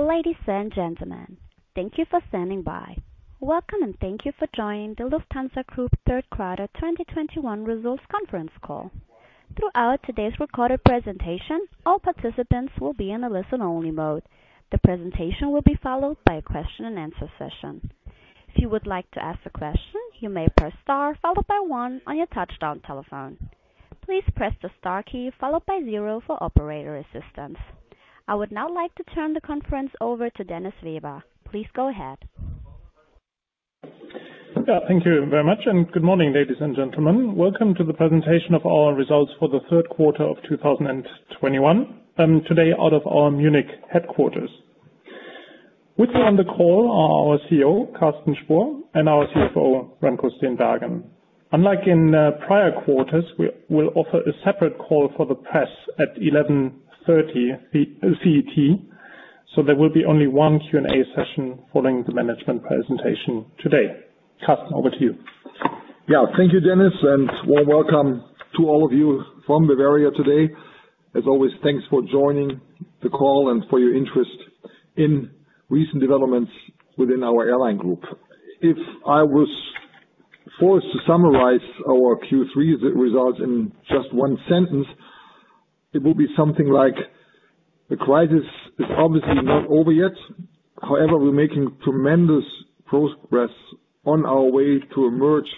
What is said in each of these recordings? Ladies and gentlemen, thank you for standing by. Welcome, and thank you for joining the Lufthansa Group Third Quarter 2021 Results Conference Call. Throughout today's recorded presentation, all participants will be in a listen-only mode. The presentation will be followed by a question-and-answer session. If you would like to ask a question, you may press star followed by one on your touch-tone telephone. Please press the star key followed by zero for operator assistance. I would now like to turn the conference over to Dennis Weber. Please go ahead. Yeah, thank you very much, and good morning, ladies and gentlemen. Welcome to the presentation of our results for the third quarter of 2021, today out of our Munich headquarters. With you on the call are our CEO, Carsten Spohr, and our CFO, Remco Steenbergen. Unlike in prior quarters, we will offer a separate call for the press at 11:30 CET, so there will be only one Q&A session following the management presentation today. Carsten, over to you. Yeah. Thank you, Dennis, and warm welcome to all of you from Bavaria today. As always, thanks for joining the call and for your interest in recent developments within our airline group. If I was forced to summarize our Q3 results in just one sentence, it will be something like, the crisis is obviously not over yet, however, we're making tremendous progress on our way to emerge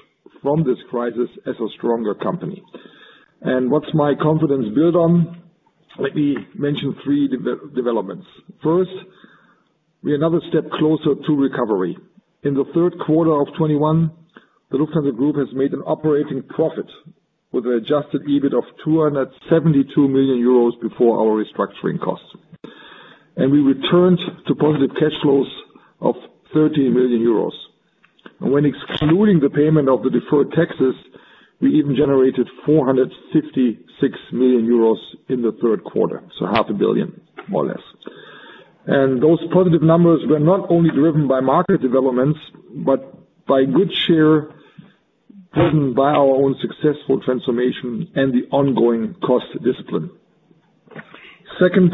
from this crisis as a stronger company. What's my confidence built on? Let me mention three developments. First, we're another step closer to recovery. In the third quarter of 2021, the Lufthansa Group has made an operating profit with an adjusted EBIT of 272 million euros before our restructuring costs. We returned to positive cash flows of 30 million euros. When excluding the payment of the deferred taxes, we even generated 456 million euros in the third quarter, so half a billion euros, more or less. Those positive numbers were not only driven by market developments, but also driven by our own successful transformation and the ongoing cost discipline. Second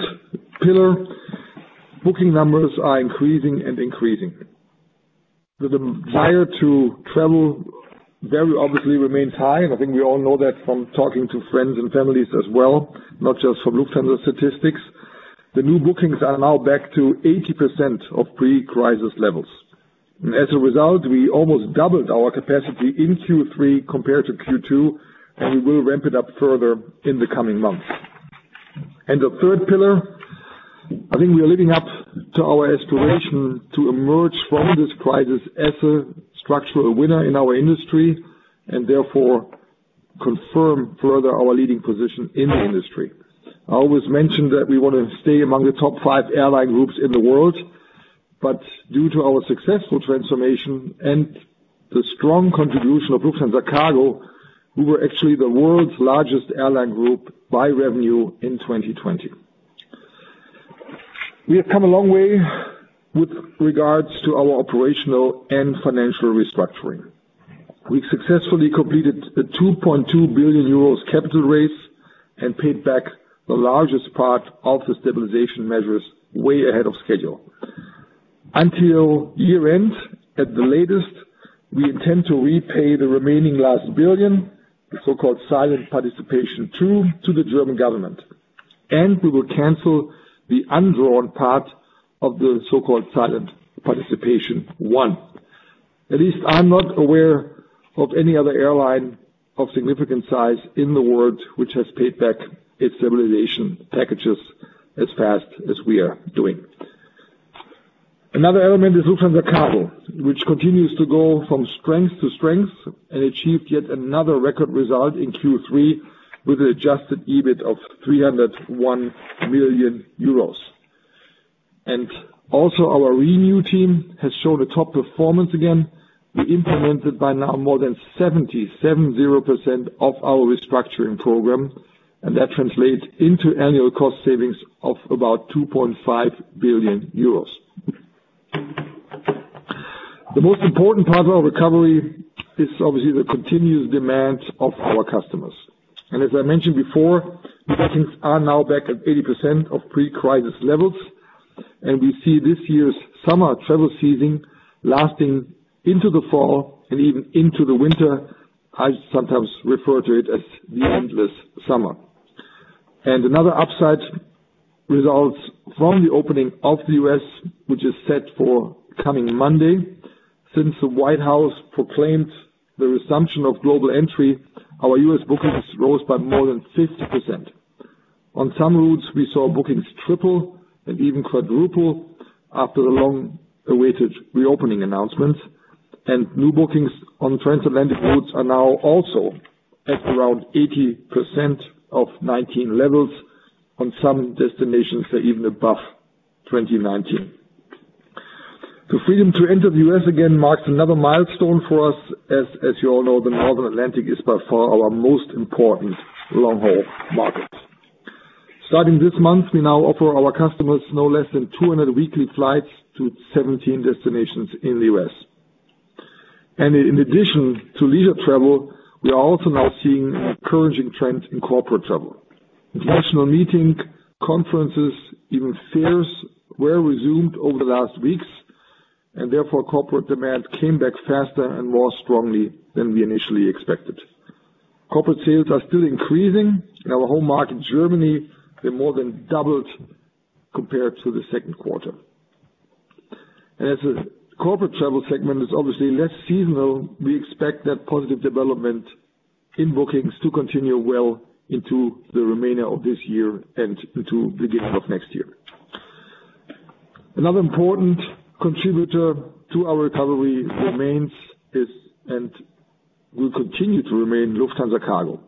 pillar, booking numbers are increasing and increasing. The desire to travel very obviously remains high, and I think we all know that from talking to friends and families as well, not just from Lufthansa statistics. The new bookings are now back to 80% of pre-crisis levels. As a result, we almost doubled our capacity in Q3 compared to Q2, and we will ramp it up further in the coming months. The third pillar, I think we are living up to our aspiration to emerge from this crisis as a structural winner in our industry, and therefore confirm further our leading position in the industry. I always mention that we want to stay among the top five airline groups in the world, but due to our successful transformation and the strong contribution of Lufthansa Cargo, we were actually the world's largest airline group by revenue in 2020. We have come a long way with regards to our operational and financial restructuring. We've successfully completed a 2.2 billion euros capital raise and paid back the largest part of the stabilization measures way ahead of schedule. Until year-end, at the latest, we intend to repay the remaining last billion, the so-called Silent Participation II to the German government. We will cancel the undrawn part of the so-called Silent Participation I. At least I'm not aware of any other airline of significant size in the world which has paid back its stabilization packages as fast as we are doing. Another element is Lufthansa Cargo, which continues to go from strength to strength and achieved yet another record result in Q3 with an adjusted EBIT of 301 million euros. Also our renew team has shown a top performance again. We implemented by now more than 77% of our restructuring program, and that translates into annual cost savings of about 2.5 billion euros. The most important part of our recovery is obviously the continuous demand of our customers. As I mentioned before, bookings are now back at 80% of pre-crisis levels, and we see this year's summer travel season lasting into the fall and even into the winter. I sometimes refer to it as the endless summer. Another upside results from the opening of the U.S. which is set for coming Monday. Since the White House proclaimed the resumption of Global Entry, our U.S. bookings rose by more than 50%. On some routes, we saw bookings triple and even quadruple after the long-awaited reopening announcements. New bookings on transatlantic routes are now also at around 80% of 2019 levels. On some destinations, they're even above 2019. The freedom to enter the U.S. again marks another milestone for us. As you all know, the North Atlantic is by far our most important long-haul market. Starting this month, we now offer our customers no less than 200 weekly flights to 17 destinations in the U.S. In addition to leisure travel, we are also now seeing encouraging trends in corporate travel. International meetings, conferences, even fairs, were resumed over the last weeks, and therefore corporate demand came back faster and more strongly than we initially expected. Corporate sales are still increasing. In our home market in Germany, they more than doubled compared to the second quarter. As the corporate travel segment is obviously less seasonal, we expect that positive development in bookings to continue well into the remainder of this year and into beginning of next year. Another important contributor to our recovery remains, and will continue to remain, Lufthansa Cargo.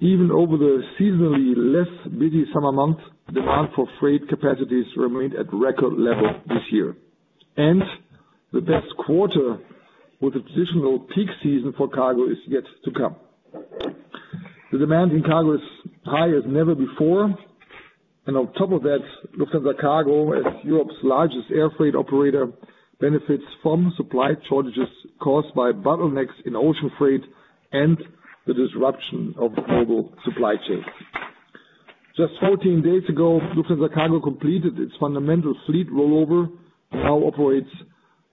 Even over the seasonally less busy summer months, demand for freight capacities remained at record level this year. The best quarter with the traditional peak season for cargo is yet to come. The demand in cargo is high as never before. On top of that, Lufthansa Cargo, as Europe's largest air freight operator, benefits from supply shortages caused by bottlenecks in ocean freight and the disruption of the global supply chain. Just 14 days ago, Lufthansa Cargo completed its fundamental fleet rollover and now operates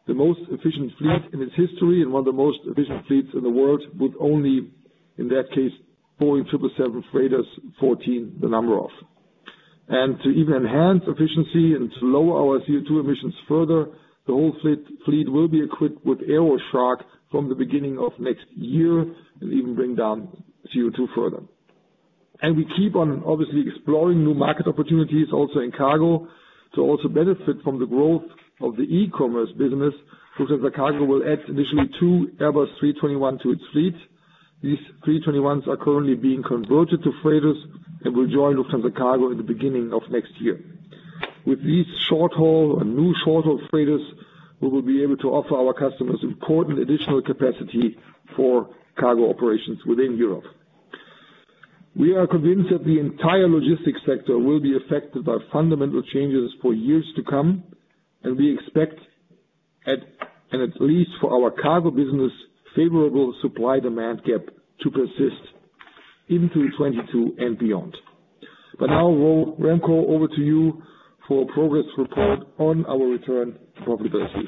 the most efficient fleet in its history and one of the most efficient fleets in the world, with only, in that case, Boeing 777F freighters, 14, the number of. To even enhance efficiency and to lower our CO2 emissions further, the whole fleet will be equipped with AeroSHARK from the beginning of next year and even bring down CO₂ further. We keep on obviously exploring new market opportunities also in cargo. To also benefit from the growth of the e-commerce business, Lufthansa Cargo will add initially two Airbus A321 to its fleet. These A321s are currently being converted to freighters and will join Lufthansa Cargo in the beginning of next year. With these short-haul and new short-haul freighters, we will be able to offer our customers important additional capacity for cargo operations within Europe. We are convinced that the entire logistics sector will be affected by fundamental changes for years to come. We expect, and at least for our cargo business, favorable supply-demand gap to persist into 2022 and beyond. Now, Remco over to you for a progress report on our return to profitability.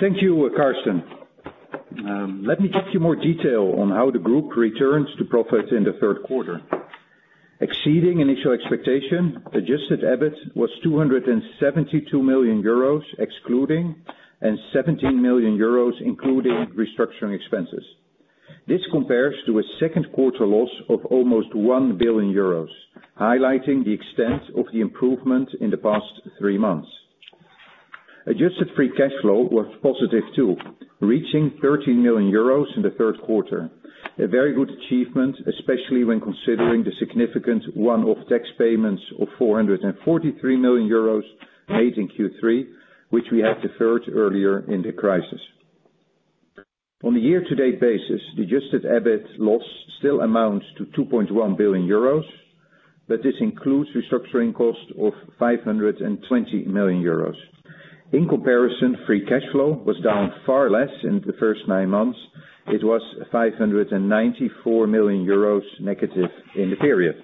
Thank you, Carsten. Let me give you more detail on how the group returns to profit in the third quarter. Exceeding initial expectations, adjusted EBIT was 272 million euros excluding and 17 million euros including restructuring expenses. This compares to a second quarter loss of almost 1 billion euros, highlighting the extent of the improvement in the past three months. Adjusted free cash flow was positive, too, reaching 13 million euros in the third quarter. A very good achievement, especially when considering the significant one-off tax payments of 443 million euros made in Q3, which we had deferred earlier in the crisis. On a year-to-date basis, adjusted EBIT loss still amounts to 2.1 billion euros, but this includes restructuring costs of 520 million euros. In comparison, free cash flow was down far less in the first nine months. It was EUR -594 million in the period.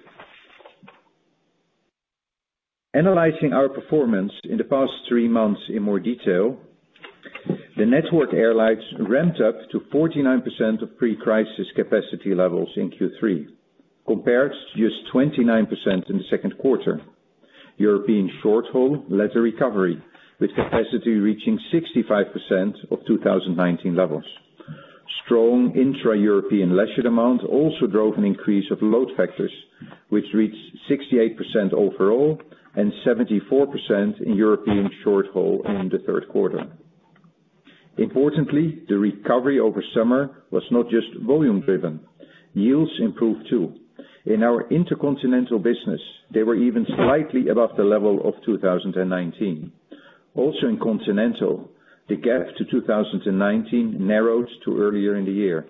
Analyzing our performance in the past three months in more detail, the Network Airlines ramped up to 49% of pre-crisis capacity levels in Q3, compared to just 29% in the second quarter. European short-haul led the recovery, with capacity reaching 65% of 2019 levels. Strong intra-European leisure demand also drove an increase of load factors, which reached 68% overall and 74% in European short-haul in the third quarter. Importantly, the recovery over summer was not just volume-driven. Yields improved, too. In our intercontinental business, they were even slightly above the level of 2019. Also in continental, the gap to 2019 narrowed to earlier in the year.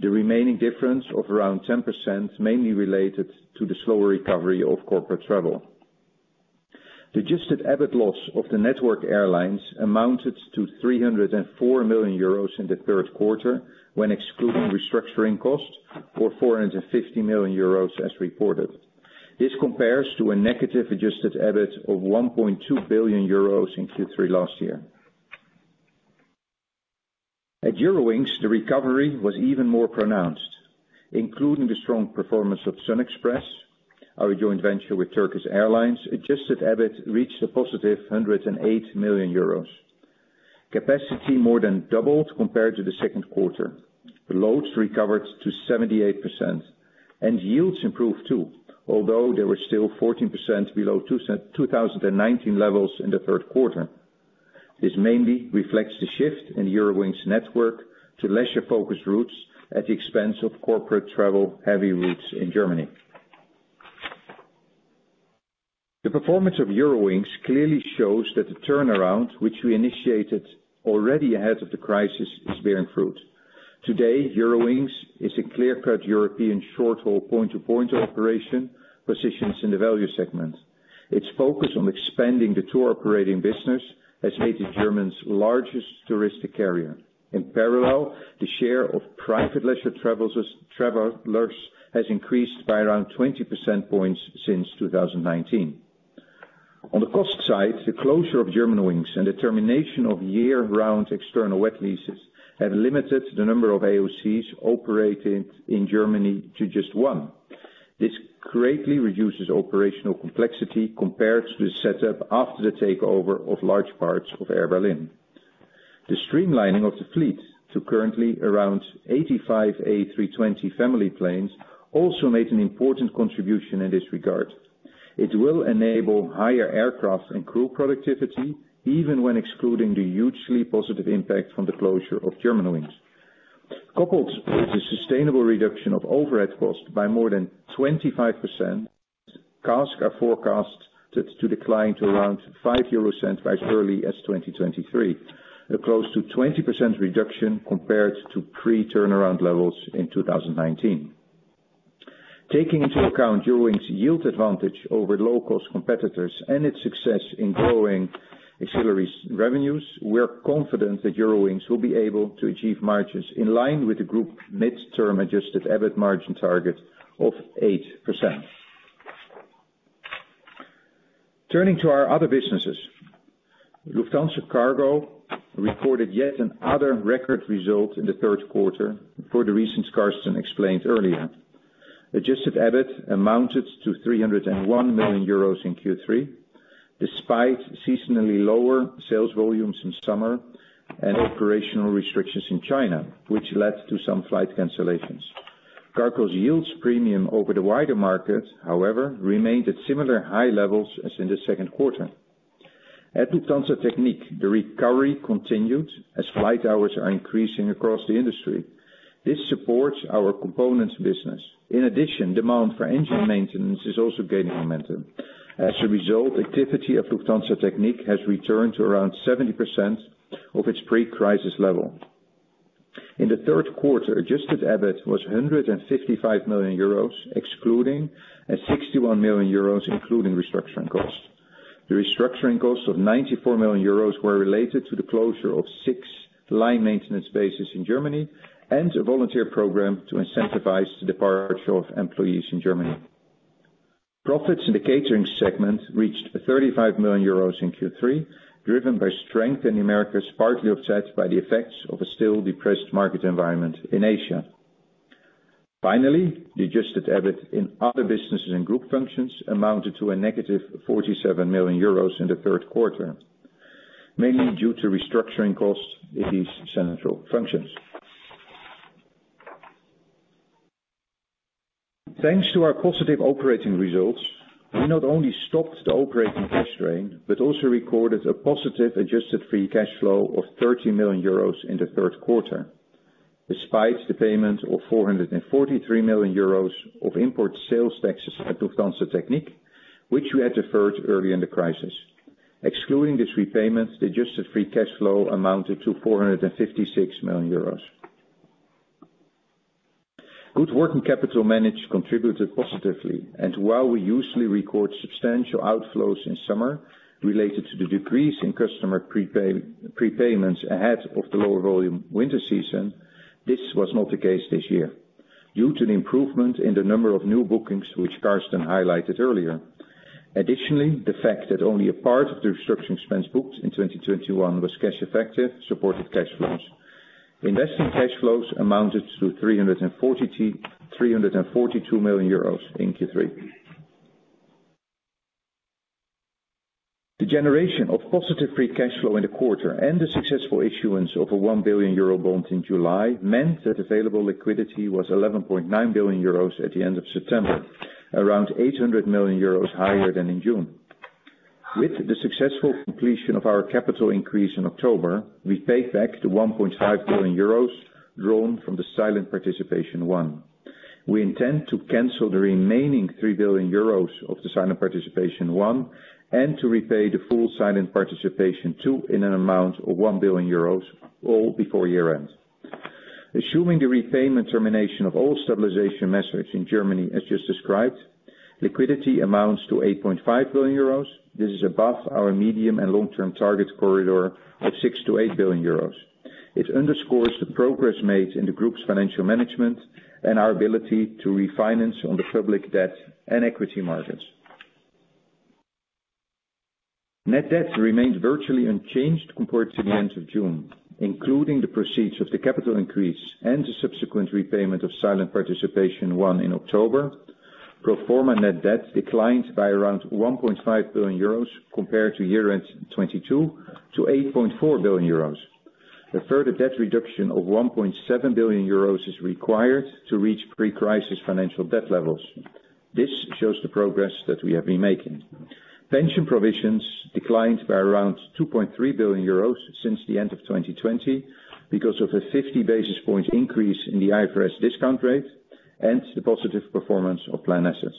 The remaining difference of around 10% mainly related to the slower recovery of corporate travel. The adjusted EBIT loss of the Network Airlines amounted to 304 million euros in the third quarter when excluding restructuring costs, or 450 million euros as reported. This compares to a negative-adjusted EBIT of 1.2 billion euros in Q3 last year. At Eurowings, the recovery was even more pronounced, including the strong performance of SunExpress, our joint venture with Turkish Airlines, adjusted EBIT reached a positive 108 million euros. Capacity more than doubled compared to the second quarter. The loads recovered to 78%. Yields improved, too, although they were still 14% below 2019 levels in the third quarter. This mainly reflects the shift in Eurowings' network to leisure-focused routes at the expense of corporate travel heavy routes in Germany. The performance of Eurowings clearly shows that the turnaround, which we initiated already ahead of the crisis, is bearing fruit. Today, Eurowings is a clear-cut European short-haul point-to-point operation, positions in the value segment. Its focus on expanding the tour operating business has made it Germany's largest touristic carrier. In parallel, the share of private leisure travelers has increased by around 20 percentage points since 2019. On the cost side, the closure of Germanwings and the termination of year-round external wet leases have limited the number of AOCs operating in Germany to just one. This greatly reduces operational complexity compared to the setup after the takeover of large parts of Air Berlin. The streamlining of the fleet to currently around 85 A320 family planes also made an important contribution in this regard. It will enable higher aircraft and crew productivity, even when excluding the hugely positive impact from the closure of Germanwings. Coupled with the sustainable reduction of overhead costs by more than 25%, costs are forecast to decline to around 0.05 by as early as 2023. A close to 20% reduction compared to pre-turnaround levels in 2019. Taking into account Eurowings' yield advantage over low-cost competitors and its success in growing ancillary revenues, we are confident that Eurowings will be able to achieve margins in line with the group midterm adjusted EBIT margin target of 8%. Turning to our other businesses, Lufthansa Cargo recorded yet another record result in the third quarter for the reasons Carsten explained earlier. Adjusted EBIT amounted to 301 million euros in Q3, despite seasonally lower sales volumes in summer and operational restrictions in China, which led to some flight cancellations. Cargo's yields premium over the wider market, however, remained at similar high levels as in the second quarter. At Lufthansa Technik, the recovery continued as flight hours are increasing across the industry. This supports our components business. In addition, demand for engine maintenance is also gaining momentum. As a result, activity of Lufthansa Technik has returned to around 70% of its pre-crisis level. In the third quarter, adjusted EBIT was 155 million euros excluding and 61 million euros including restructuring costs. The restructuring costs of 94 million euros were related to the closure of six line maintenance bases in Germany and a volunteer program to incentivize the departure of employees in Germany. Profits in the catering segment reached 35 million euros in Q3, driven by strength in the Americas, partly offset by the effects of a still depressed market environment in Asia. Finally, the adjusted EBIT in other businesses and group functions amounted to EUR -47 million in the third quarter, mainly due to restructuring costs in these central functions. Thanks to our positive operating results, we not only stopped the operating cash drain, but also recorded a positive adjusted free cash flow of 30 million euros in the third quarter, despite the payment of 443 million euros of import sales taxes at Lufthansa Technik, which we had deferred early in the crisis. Excluding this repayment, the adjusted free cash flow amounted to EUR 456 million. Good working capital management contributed positively, while we usually record substantial outflows in summer related to the decrease in customer prepayments ahead of the lower volume winter season, this was not the case this year due to the improvement in the number of new bookings, which Carsten highlighted earlier. Additionally, the fact that only a part of the restructuring expense booked in 2021 was cash effective supported cash flows. Investing cash flows amounted to 342 million euros in Q3. The generation of positive free cash flow in the quarter and the successful issuance of a 1 billion euro bond in July meant that available liquidity was 11.9 billion euros at the end of September, around 800 million euros higher than in June. With the successful completion of our capital increase in October, we paid back the 1.5 billion euros drawn from the Silent Participation I. We intend to cancel the remaining 3 billion euros of the Silent Participation I and to repay the full Silent Participation II in an amount of 1 billion euros, all before year-end. Assuming the repayment termination of all stabilization measures in Germany as just described, liquidity amounts to 8.5 billion euros. This is above our medium and long-term target corridor of 6 billion-8 billion euros. It underscores the progress made in the group's financial management and our ability to refinance on the public debt and equity markets. Net debt remains virtually unchanged compared to the end of June, including the proceeds of the capital increase and the subsequent repayment of Silent Participation I in October. Pro forma net debt declined by around EUR 1.5 billion compared to year-end 2022 to EUR 8.4 billion. A further debt reduction of EUR 1.7 billion is required to reach pre-crisis financial debt levels. This shows the progress that we have been making. Pension provisions declined by around 2.3 billion euros since the end of 2020 because of a 50 basis point increase in the IFRS discount rate and the positive performance of plan assets.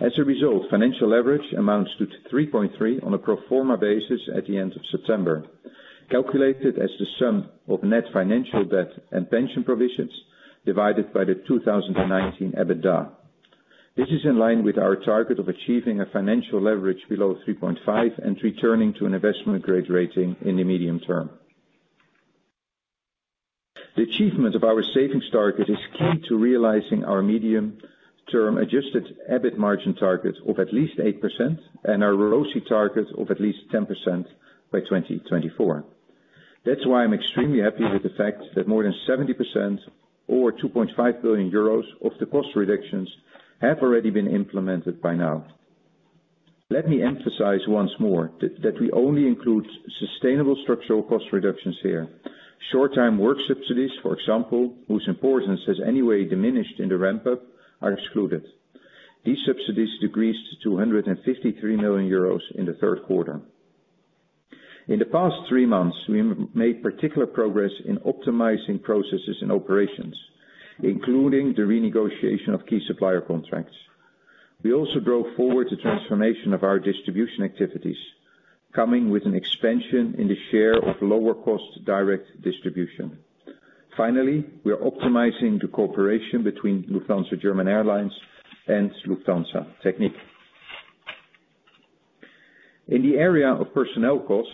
As a result, financial leverage amounts to 3.3 on a pro forma basis at the end of September, calculated as the sum of net financial debt and pension provisions divided by the 2019 EBITDA. This is in line with our target of achieving a financial leverage below 3.5 and returning to an investment-grade rating in the medium term. The achievement of our savings target is key to realizing our medium-term adjusted EBIT margin target of at least 8% and our ROCE target of at least 10% by 2024. That's why I'm extremely happy with the fact that more than 70% or 2.5 billion euros of the cost reductions have already been implemented by now. Let me emphasize once more that we only include sustainable structural cost reductions here. Short-time work subsidies, for example, whose importance has anyway diminished in the ramp up, are excluded. These subsidies decreased to 253 million euros in the third quarter. In the past three months, we made particular progress in optimizing processes and operations, including the renegotiation of key supplier contracts. We also drove forward the transformation of our distribution activities, coming with an expansion in the share of lower cost direct distribution. Finally, we are optimizing the cooperation between Lufthansa German Airlines and Lufthansa Technik. In the area of personnel costs,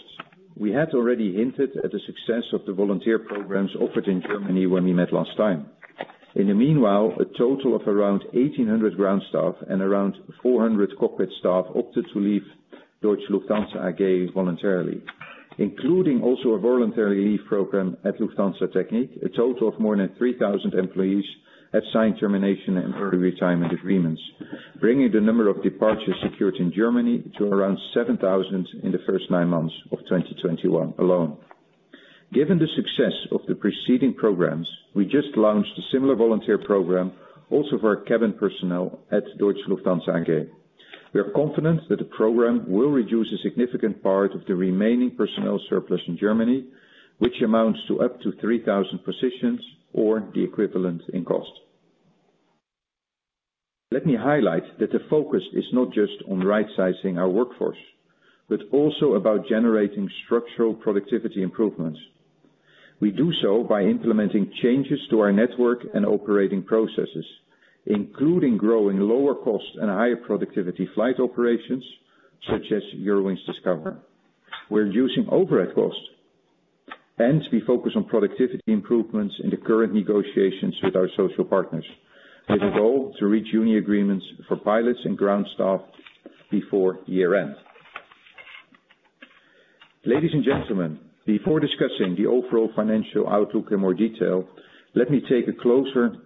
we had already hinted at the success of the volunteer programs offered in Germany when we met last time. In the meanwhile, a total of around 1,800 ground staff and around 400 cockpit staff opted to leave Deutsche Lufthansa AG voluntarily. Including also a voluntary leave program at Lufthansa Technik, a total of more than 3,000 employees have signed termination and early retirement agreements, bringing the number of departures secured in Germany to around 7,000 in the first nine months of 2021 alone. Given the success of the preceding programs, we just launched a similar volunteer program also for our cabin personnel at Deutsche Lufthansa AG. We are confident that the program will reduce a significant part of the remaining personnel surplus in Germany, which amounts to up to 3,000 positions or the equivalent in cost. Let me highlight that the focus is not just on right sizing our workforce, but also about generating structural productivity improvements. We do so by implementing changes to our network and operating processes, including growing lower cost and higher productivity flight operations such as Eurowings Discover. We're reducing overhead costs, and we focus on productivity improvements in the current negotiations with our social partners, with a goal to reach new agreements for pilots and ground staff before year-end. Ladies and gentlemen, before discussing the overall financial outlook in more detail, let me take a closer look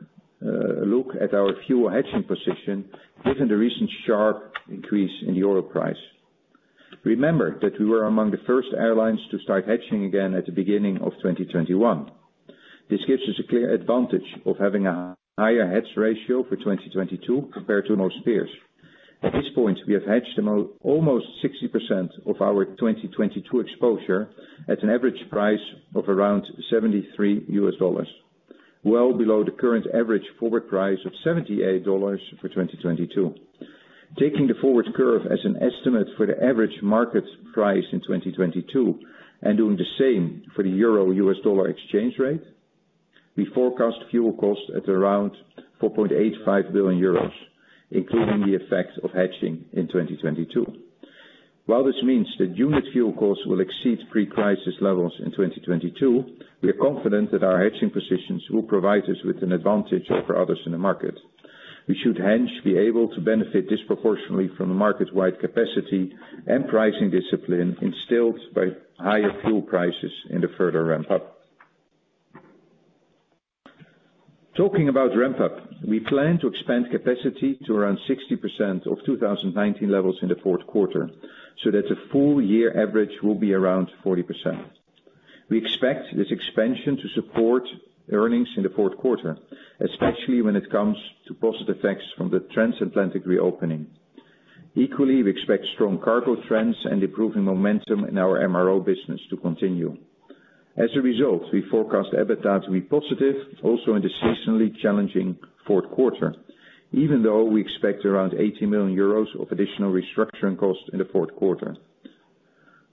at our fuel hedging position given the recent sharp increase in the oil price. Remember that we were among the first airlines to start hedging again at the beginning of 2021. This gives us a clear advantage of having a higher hedge ratio for 2022 compared to most peers. At this point, we have hedged almost 60% of our 2022 exposure at an average price of around $73, well below the current average forward price of $78 for 2022. Taking the forward curve as an estimate for the average market price in 2022 and doing the same for the euro-US dollar exchange rate, we forecast fuel costs at around EUR 4.85 billion, including the effect of hedging in 2022. While this means that unit fuel costs will exceed pre-crisis levels in 2022, we are confident that our hedging positions will provide us with an advantage over others in the market. We should hence be able to benefit disproportionately from the market wide capacity and pricing discipline instilled by higher fuel prices in the further ramp up. Talking about ramp up, we plan to expand capacity to around 60% of 2019 levels in the fourth quarter, so that the full year average will be around 40%. We expect this expansion to support earnings in the fourth quarter, especially when it comes to positive effects from the transatlantic reopening. Equally, we expect strong cargo trends and improving momentum in our MRO business to continue. As a result, we forecast EBITDA to be positive also in the seasonally challenging fourth quarter, even though we expect around EUR 80 million of additional restructuring costs in the fourth quarter.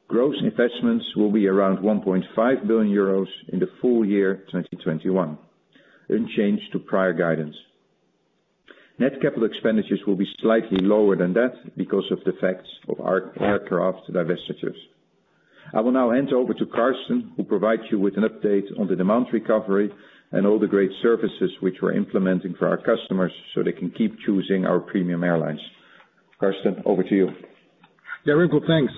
Gross investments will be around 1.5 billion euros in the full year 2021, unchanged to prior guidance. Net capital expenditures will be slightly lower than that because of the effects of our aircraft divestitures. I will now hand over to Carsten, who provides you with an update on the demand recovery and all the great services which we're implementing for our customers so they can keep choosing our premium airlines. Carsten, over to you. Yeah, Remco, thanks.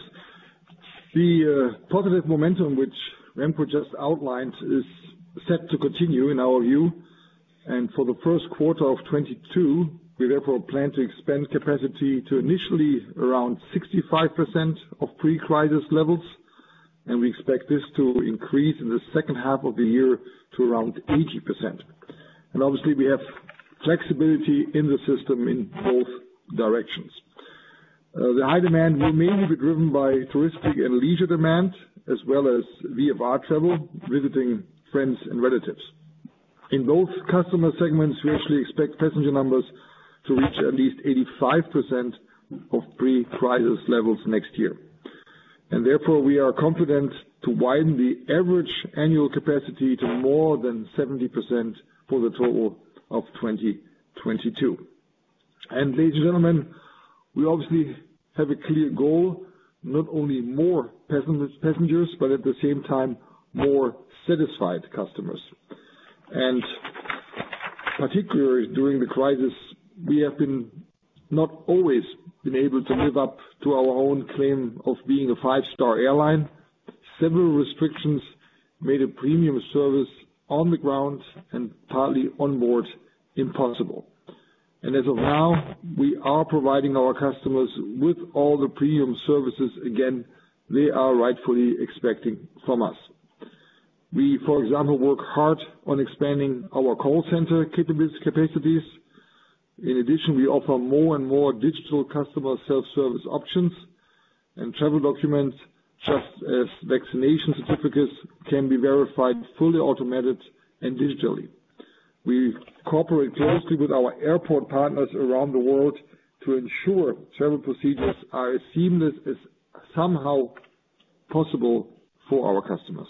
The positive momentum which Remco just outlined is set to continue in our view. For the first quarter of 2022, we therefore plan to expand capacity to initially around 65% of pre-crisis levels, and we expect this to increase in the second half of the year to around 80%. Obviously we have flexibility in the system in both directions. The high demand will mainly be driven by touristic and leisure demand, as well as VFR travel, visiting friends and relatives. In both customer segments, we actually expect passenger numbers to reach at least 85% of pre-crisis levels next year. Therefore, we are confident to widen the average annual capacity to more than 70% for the total of 2022. Ladies and gentlemen, we obviously have a clear goal, not only more passengers, but at the same time, more satisfied customers. Particularly during the crisis, we have not always been able to live up to our own claim of being a five-star airline. Several restrictions made a premium service on the ground and partly on board impossible. As of now, we are providing our customers with all the premium services again they are rightfully expecting from us. We, for example, work hard on expanding our call center capacities. In addition, we offer more and more digital customer self-service options and travel documents, just as vaccination certificates can be verified, fully automated and digitally. We cooperate closely with our airport partners around the world to ensure travel procedures are as seamless as possible for our customers.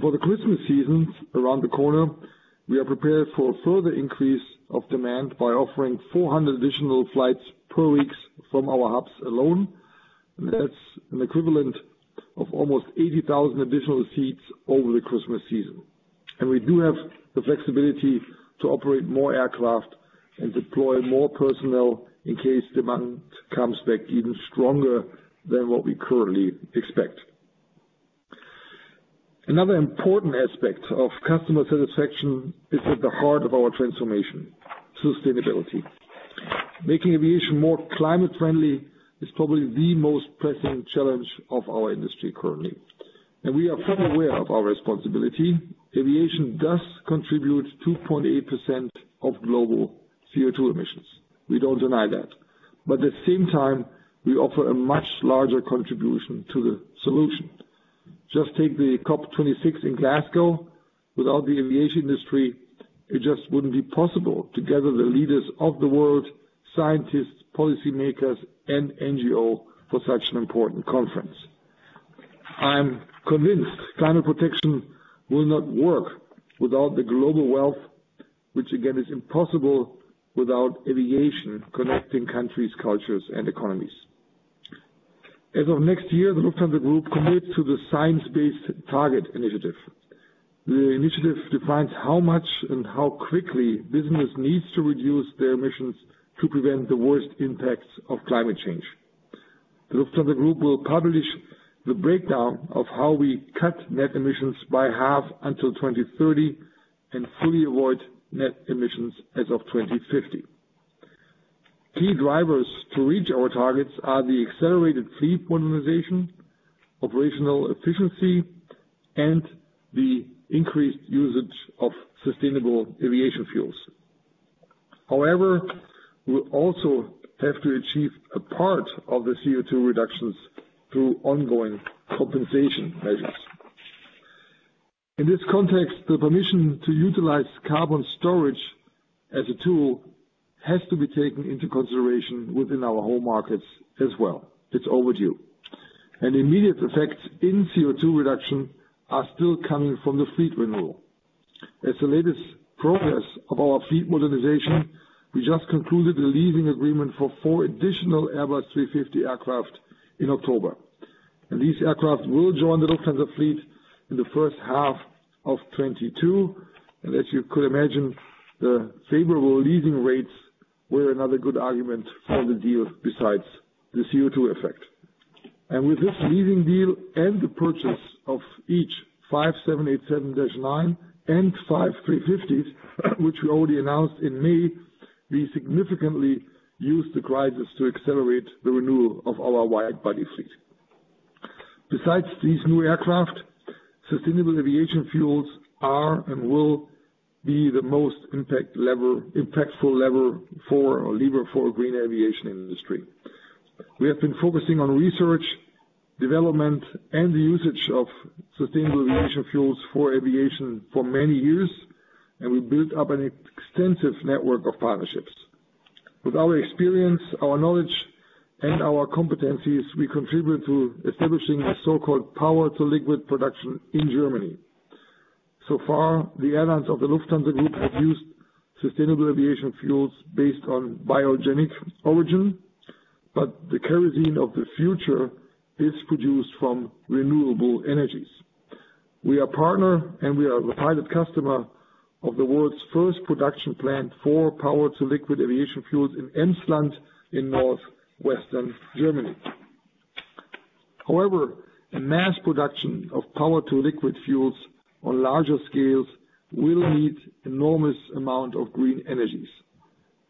For the Christmas season around the corner, we are prepared for further increase of demand by offering 400 additional flights per week from our hubs alone. That's an equivalent of almost 80,000 additional seats over the Christmas season. We do have the flexibility to operate more aircraft and deploy more personnel in case demand comes back even stronger than what we currently expect. Another important aspect of customer satisfaction is at the heart of our transformation, sustainability. Making aviation more climate friendly is probably the most pressing challenge of our industry currently, and we are fully aware of our responsibility. Aviation does contribute 2.8% of global CO2 emissions. We don't deny that. At the same time, we offer a much larger contribution to the solution. Just take the COP26 in Glasgow. Without the aviation industry, it just wouldn't be possible to gather the leaders of the world, scientists, policymakers, and NGO for such an important conference. I'm convinced climate protection will not work without the global wealth, which again, is impossible without aviation connecting countries, cultures, and economies. As of next year, the Lufthansa Group commits to the Science Based Targets initiative. The initiative defines how much and how quickly business needs to reduce their emissions to prevent the worst impacts of climate change. The Lufthansa Group will publish the breakdown of how we cut net emissions by half until 2030 and fully avoid net emissions as of 2050. Key drivers to reach our targets are the accelerated fleet modernization, operational efficiency, and the increased usage of sustainable aviation fuels. However, we also have to achieve a part of the CO2 reductions through ongoing compensation measures. In this context, the permission to utilize carbon storage as a tool has to be taken into consideration within our home markets as well. It's overdue. Immediate effects in CO2 reduction are still coming from the fleet renewal. As the latest progress of our fleet modernization, we just concluded the leasing agreement for four additional Airbus A350 aircraft in October. These aircraft will join the Lufthansa fleet in the first half of 2022. As you could imagine, the favorable leasing rates were another good argument for the deal besides the CO2 effect. With this leasing deal and the purchase of eight 787-9s and five A350s, which we already announced in May, we significantly use the crisis to accelerate the renewal of our wide-body fleet. Besides these new aircraft, sustainable aviation fuels are and will be the most impactful lever for the green aviation industry. We have been focusing on research, development, and the usage of sustainable aviation fuels for aviation for many years, and we built up an extensive network of partnerships. With our experience, our knowledge, and our competencies, we contribute to establishing a so-called Power-to-Liquid production in Germany. So far, the airlines of the Lufthansa Group have used sustainable aviation fuels based on biogenic origin, but the kerosene of the future is produced from renewable energies. We are partner, and we are the pilot customer of the world's first production plant for Power-to-Liquid aviation fuels in Emsland in northwestern Germany. However, a mass production of Power-to-Liquid fuels on larger scales will need enormous amount of green energies.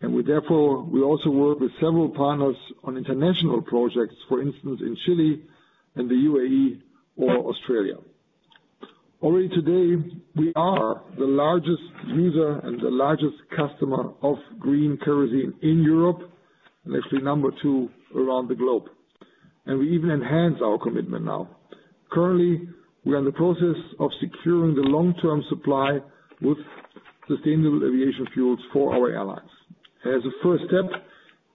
We therefore also work with several partners on international projects, for instance, in Chile and the UAE or Australia. Already today, we are the largest user and the largest customer of green kerosene in Europe, and actually number two around the globe. We even enhance our commitment now. Currently, we are in the process of securing the long-term supply with sustainable aviation fuels for our allies. As a first step,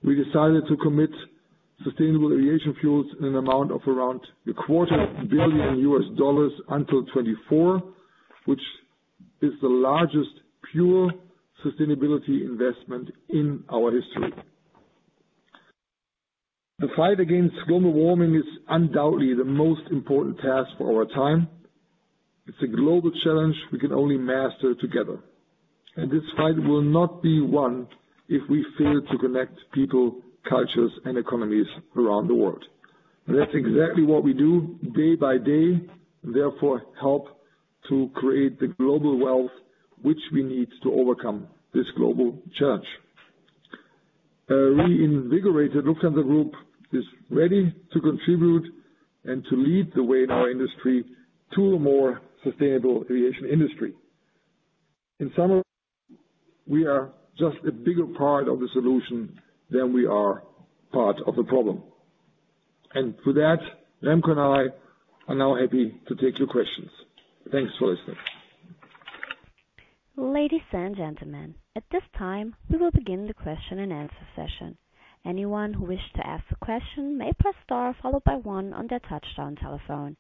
we decided to commit sustainable aviation fuels in an amount of around a quarter billion U.S dollars until 2024, which is the largest pure sustainability investment in our history. The fight against global warming is undoubtedly the most important task for our time. It's a global challenge we can only master together. This fight will not be won if we fail to connect people, cultures, and economies around the world. That's exactly what we do day by day, therefore help to create the global wealth which we need to overcome this global challenge. A reinvigorated Lufthansa Group is ready to contribute and to lead the way in our industry to a more sustainable aviation industry. In summary, we are just a bigger part of the solution than we are part of the problem. For that, Remco and I are now happy to take your questions. Thanks for listening. Ladies and gentlemen, at this time, we will begin the question-and-answer session. Anyone who wishes to ask a question may press star followed by one on their touch-tone telephone.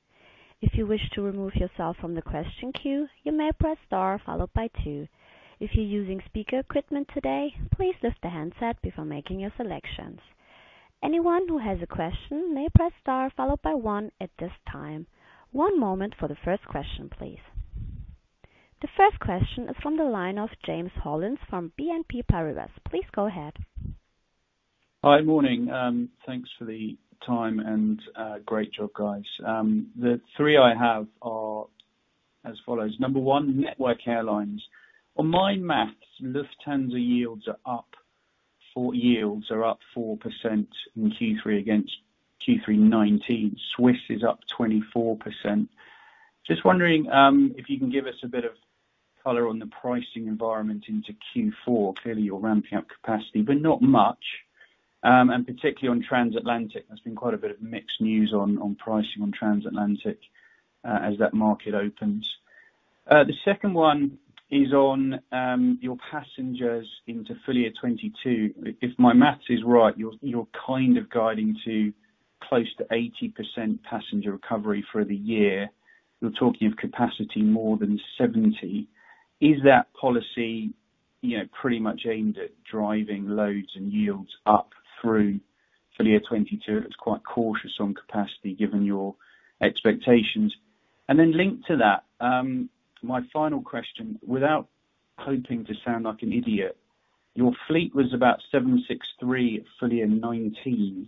If you wish to remove yourself from the question queue, you may press star followed by two. If you're using speaker equipment today, please lift the handset before making your selections. Anyone who has a question may press star followed by one at this time. One moment for the first question, please. The first question is from the line of James Hollins from BNP Paribas. Please go ahead. Hi. Morning. Thanks for the time and great job, guys. The three I have are as follows. Number one, Network Airlines. On my maths, Lufthansa yields are up 4% in Q3 against Q3 2019. Swiss is up 24%. Just wondering if you can give us a bit of color on the pricing environment into Q4. Clearly, you're ramping up capacity, but not much. And particularly on transatlantic, there's been quite a bit of mixed news on pricing on transatlantic as that market opens. The second one is on your passengers into full year 2022. If my maths is right, you're kind of guiding to close to 80% passenger recovery for the year. You're talking of capacity more than 70%. Is that policy, you know, pretty much aimed at driving loads and yields up through full year 2022? It's quite cautious on capacity given your expectations. Then linked to that, my final question, without hoping to sound like an idiot, your fleet was about 763 full year 2019.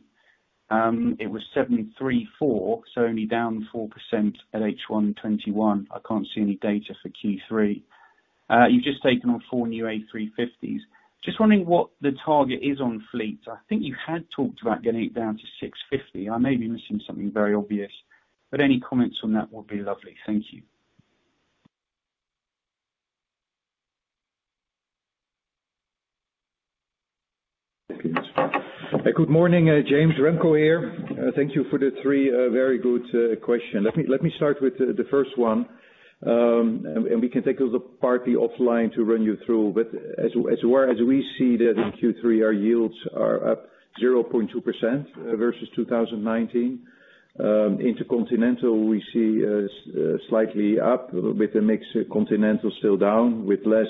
It was 734, so only down 4% at H1 2021. I can't see any data for Q3. You've just taken on four new A350s. Just wondering what the target is on fleet. I think you had talked about getting it down to 650. I may be missing something very obvious, but any comments on that would be lovely. Thank you. Good morning, James. Remco here. Thank you for the three very good question. Let me start with the first one, and we can take the rest offline to run you through. As far as we see that in Q3, our yields are up 0.2% versus 2019. Intercontinental, we see slightly up with the mixed continental still down with less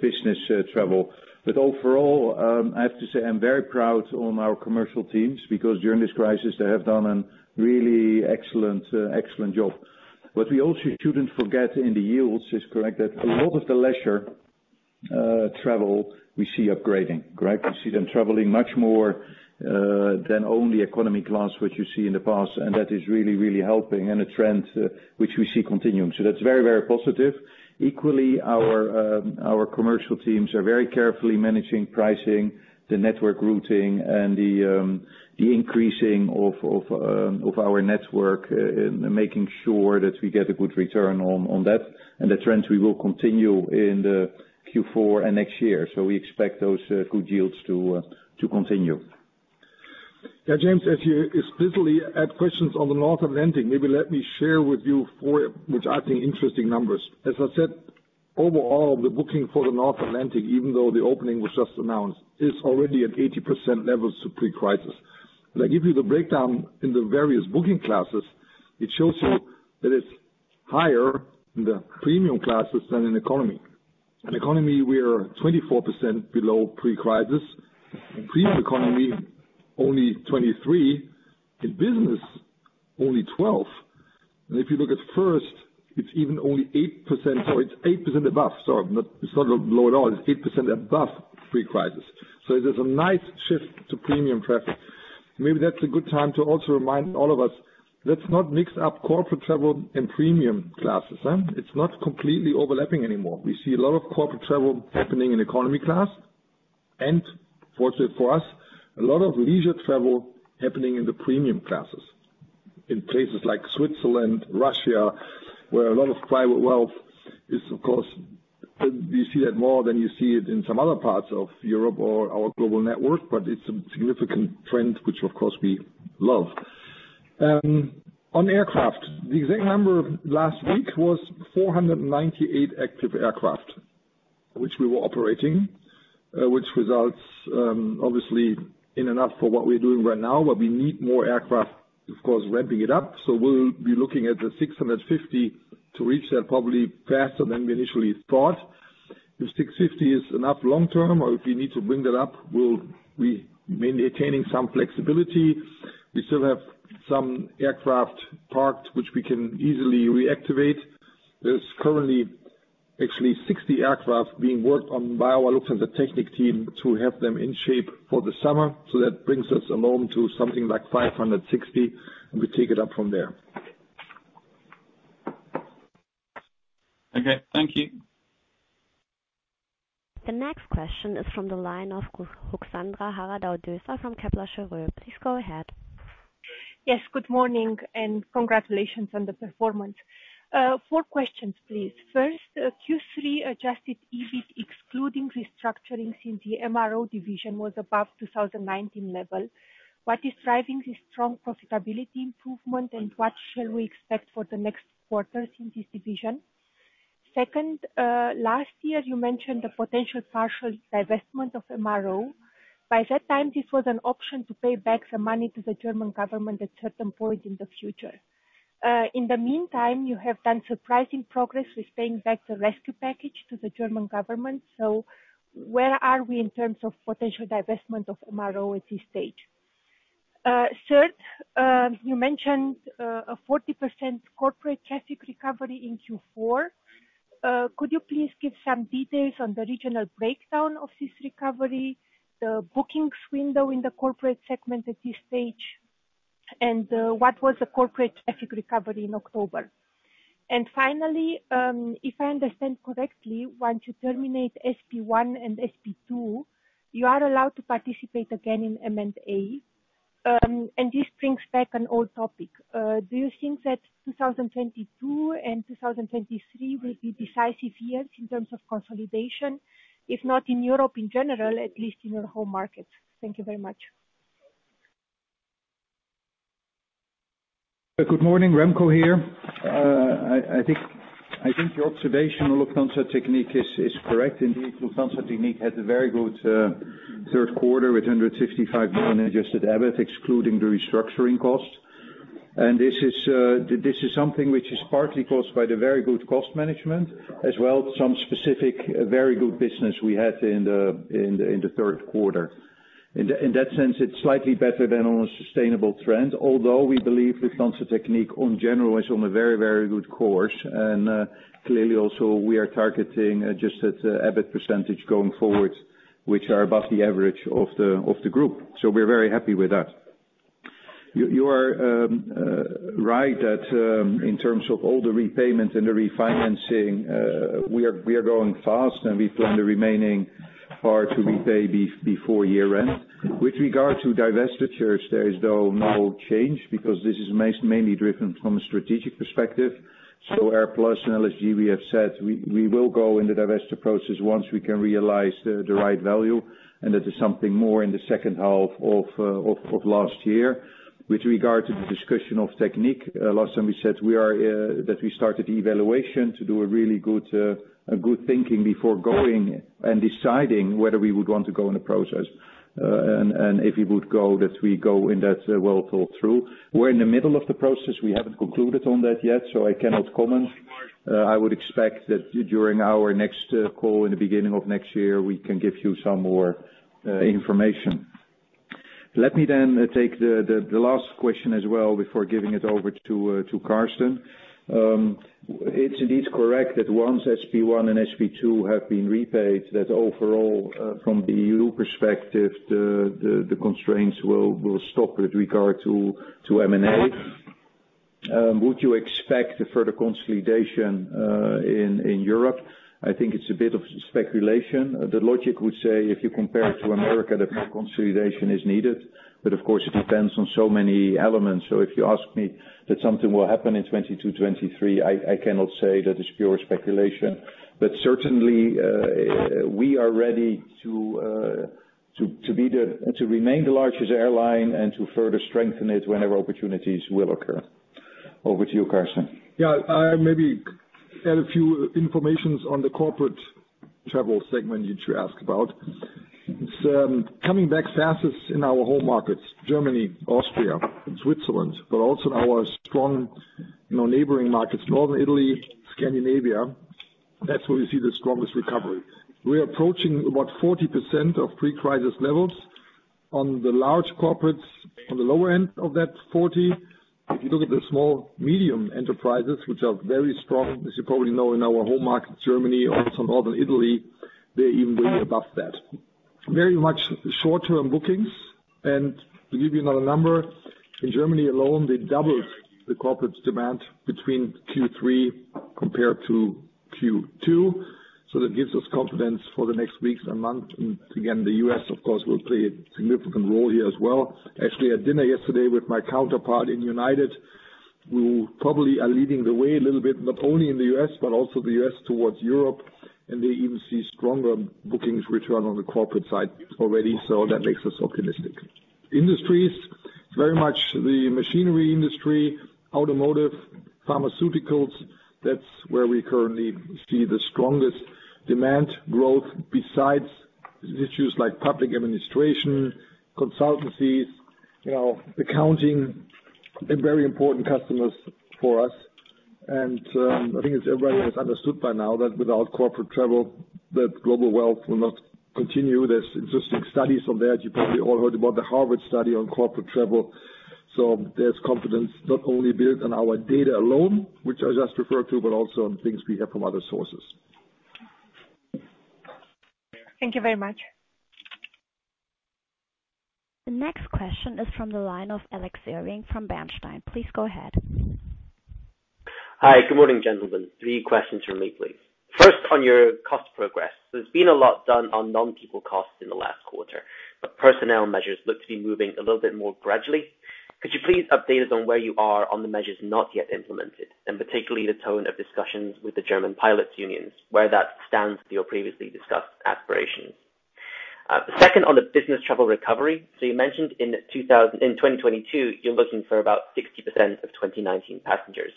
business travel. Overall, I have to say I'm very proud of our commercial teams because during this crisis, they have done a really excellent job. What we also shouldn't forget in the yields is correct that a lot of the leisure travel we see upgrading, correct? We see them traveling much more than only economy class, which you see in the past, and that is really, really helping and a trend which we see continuing. That's very, very positive. Equally, our commercial teams are very carefully managing pricing, the network routing and the increasing of our network, and making sure that we get a good return on that. The trends we will continue in the Q4 and next year. We expect those good yields to continue. Yeah, James, as you explicitly had questions on the North Atlantic, maybe let me share with you four, which I think interesting numbers. As I said, overall, the booking for the North Atlantic, even though the opening was just announced, is already at 80% levels to pre-crisis. When I give you the breakdown in the various booking classes, it shows you that it's higher in the premium classes than in economy. In economy, we are 24% below pre-crisis. In premium economy, only 23%. In business, only 12%. If you look at first, it's even only 8%. It's 8% above. Sorry, not, it's not low at all. It's 8% above pre-crisis. There's a nice shift to premium traffic. Maybe that's a good time to also remind all of us. Let's not mix up corporate travel and premium classes, huh? It's not completely overlapping anymore. We see a lot of corporate travel happening in economy class. Fortunately for us, a lot of leisure travel happening in the premium classes in places like Switzerland, Russia, where a lot of private wealth is. Of course, you see that more than you see it in some other parts of Europe or our global network, but it's a significant trend which of course we love. On aircraft, the exact number last week was 498 active aircraft which we were operating, which results obviously in enough for what we're doing right now, but we need more aircraft, of course, ramping it up. We'll be looking at the 650 to reach that probably faster than we initially thought. If 650 is enough long term, or if we need to bring that up, we'll be mainly attaining some flexibility. We still have some aircraft parked which we can easily reactivate. There's currently actually 60 aircraft being worked on by our Lufthansa Technik team to have them in shape for the summer. That brings us alone to something like 560, and we take it up from there. Okay, thank you. The next question is from the line of Ruxandra Haradau-Döser from Kepler Cheuvreux. Please go ahead. Yes, good morning and congratulations on the performance. Four questions, please. First, Q3 adjusted EBIT excluding restructurings in the MRO division was above 2019 level. What is driving this strong profitability improvement, and what shall we expect for the next quarters in this division? Second, last year you mentioned the potential partial divestment of MRO. By that time, this was an option to pay back the money to the German government at certain point in the future. In the meantime, you have done surprising progress with paying back the rescue package to the German government. So where are we in terms of potential divestment of MRO at this stage? Third, you mentioned a 40% corporate traffic recovery in Q4. Could you please give some details on the regional breakdown of this recovery, the bookings window in the corporate segment at this stage, and what was the corporate traffic recovery in October? Finally, if I understand correctly, once you terminate SP1 and SP2, you are allowed to participate again in M&A. This brings back an old topic. Do you think that 2022 and 2023 will be decisive years in terms of consolidation, if not in Europe in general, at least in your home market? Thank you very much. Good morning. Remco here. I think your observation on Lufthansa Technik is correct. Indeed, Lufthansa Technik had a very good third quarter with 165 million adjusted EBIT excluding the restructuring cost. This is something which is partly caused by the very good cost management as well, some specific very good business we had in the third quarter. In that sense, it's slightly better than on a sustainable trend, although we believe Lufthansa Technik in general is on a very, very good course. Clearly also we are targeting adjusted EBIT percentage going forward, which are above the average of the group. We're very happy with that. You are right that in terms of all the repayment and the refinancing, we are going fast, and we plan the remaining part to repay before year-end. With regard to divestitures, there is no change because this is mainly driven from a strategic perspective. AirPlus and LSG, we have said we will go in the divestiture process once we can realize the right value, and that is something more in the second half of last year. With regard to the discussion of Technik, last time we said that we started evaluation to do a really good thinking before going and deciding whether we would want to go in the process, and if we would go that we go in that well thought through. We're in the middle of the process. We haven't concluded on that yet, so I cannot comment. I would expect that during our next call in the beginning of next year, we can give you some more information. Let me then take the last question as well before giving it over to Carsten. It is correct that once SP1 and SP2 have been repaid, that overall, from the E.U. perspective, the constraints will stop with regard to M&A. Would you expect a further consolidation in Europe? I think it's a bit of speculation. The logic would say if you compare to America that more consolidation is needed. But of course, it depends on so many elements. If you ask me that something will happen in 2022, 2023, I cannot say. That is pure speculation. Certainly, we are ready to remain the largest airline and to further strengthen it whenever opportunities will occur. Over to you, Carsten. Yeah, I maybe add a few information on the corporate travel segment that you asked about. It's coming back fastest in our home markets, Germany, Austria, Switzerland, but also in our strong neighboring markets, Northern Italy, Scandinavia. That's where we see the strongest recovery. We are approaching about 40% of pre-crisis levels on the large corporates on the lower end of that 40%. If you look at the small medium enterprises, which are very strong, as you probably know, in our home market, Germany, also Northern Italy, they're even going above that. Very much short-term bookings. To give you another number, in Germany alone, they doubled the corporate demand between Q3 compared to Q2. So that gives us confidence for the next weeks and months. Again, the U.S., of course, will play a significant role here as well. Actually, I had dinner yesterday with my counterpart in United, who probably are leading the way a little bit, not only in the U.S., but also the U.S. towards Europe, and they even see stronger bookings return on the corporate side already. That makes us optimistic. Industries, very much the machinery industry, automotive, pharmaceuticals, that's where we currently see the strongest demand growth besides issues like public administration, consultancies, you know, accounting, they're very important customers for us. I think as everybody has understood by now that without corporate travel, that global wealth will not continue. There's interesting studies on that. You probably all heard about the Harvard study on corporate travel. There's confidence not only built on our data alone, which I just referred to, but also on things we hear from other sources. Thank you very much. The next question is from the line of Alex Irving from Bernstein. Please go ahead. Hi. Good morning, gentlemen. Three questions from me, please. First, on your cost progress, there's been a lot done on non-people costs in the last quarter, but personnel measures look to be moving a little bit more gradually. Could you please update us on where you are on the measures not yet implemented, and particularly the tone of discussions with the German pilots unions, where that stands for your previously discussed aspirations? Second, on the business travel recovery, you mentioned in 2022, you're looking for about 60% of 2019 passengers.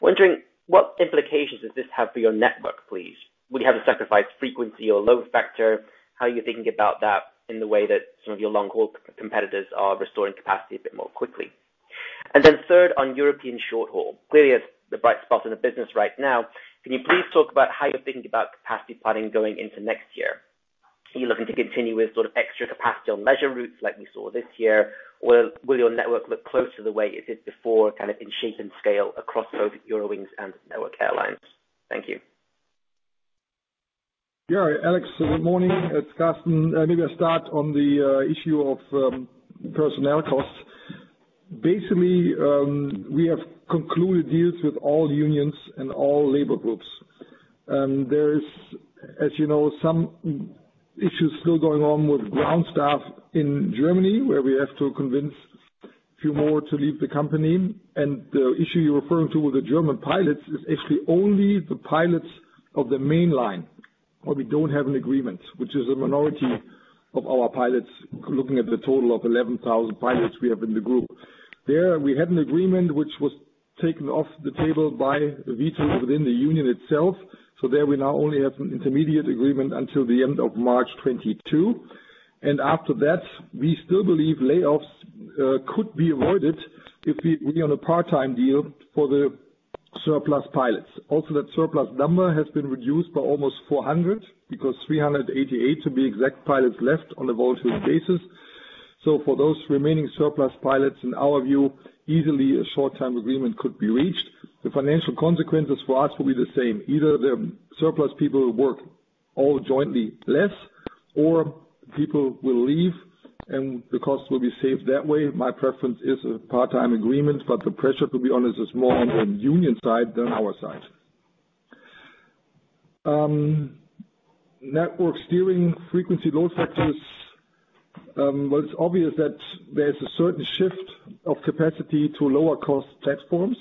Wondering what implications does this have for your network, please? Will you have to sacrifice frequency or load factor? How are you thinking about that in the way that some of your long-haul competitors are restoring capacity a bit more quickly? Then third, on European short-haul, clearly it's the bright spot in the business right now. Can you please talk about how you're thinking about capacity planning going into next year? Are you looking to continue with sort of extra capacity on leisure routes like we saw this year, or will your network look closer to the way it did before, kind of in shape and scale across both Eurowings and Network Airlines? Thank you. Yeah, Alex, good morning. It's Carsten. Maybe I start on the issue of personnel costs. Basically, we have concluded deals with all unions and all labor groups. There is, as you know, some issues still going on with ground staff in Germany, where we have to convince a few more to leave the company. The issue you're referring to with the German pilots is actually only the pilots of the mainline, where we don't have an agreement, which is a minority of our pilots looking at the total of 11,000 pilots we have in the group. There, we had an agreement which was taken off the table by vetoes within the union itself. There we now only have an intermediate agreement until the end of March 2022. After that, we still believe layoffs could be avoided if we on a part-time deal for the surplus pilots. Also, that surplus number has been reduced by almost 400 because 388, to be exact, pilots left on a voluntary basis. For those remaining surplus pilots, in our view, easily a short-term agreement could be reached. The financial consequences for us will be the same. Either the surplus people work all jointly less, or people will leave, and the costs will be saved that way. My preference is a part-time agreement, but the pressure, to be honest, is more on the union side than our side. Network steering frequency load factors, well, it's obvious that there's a certain shift of capacity to lower cost platforms,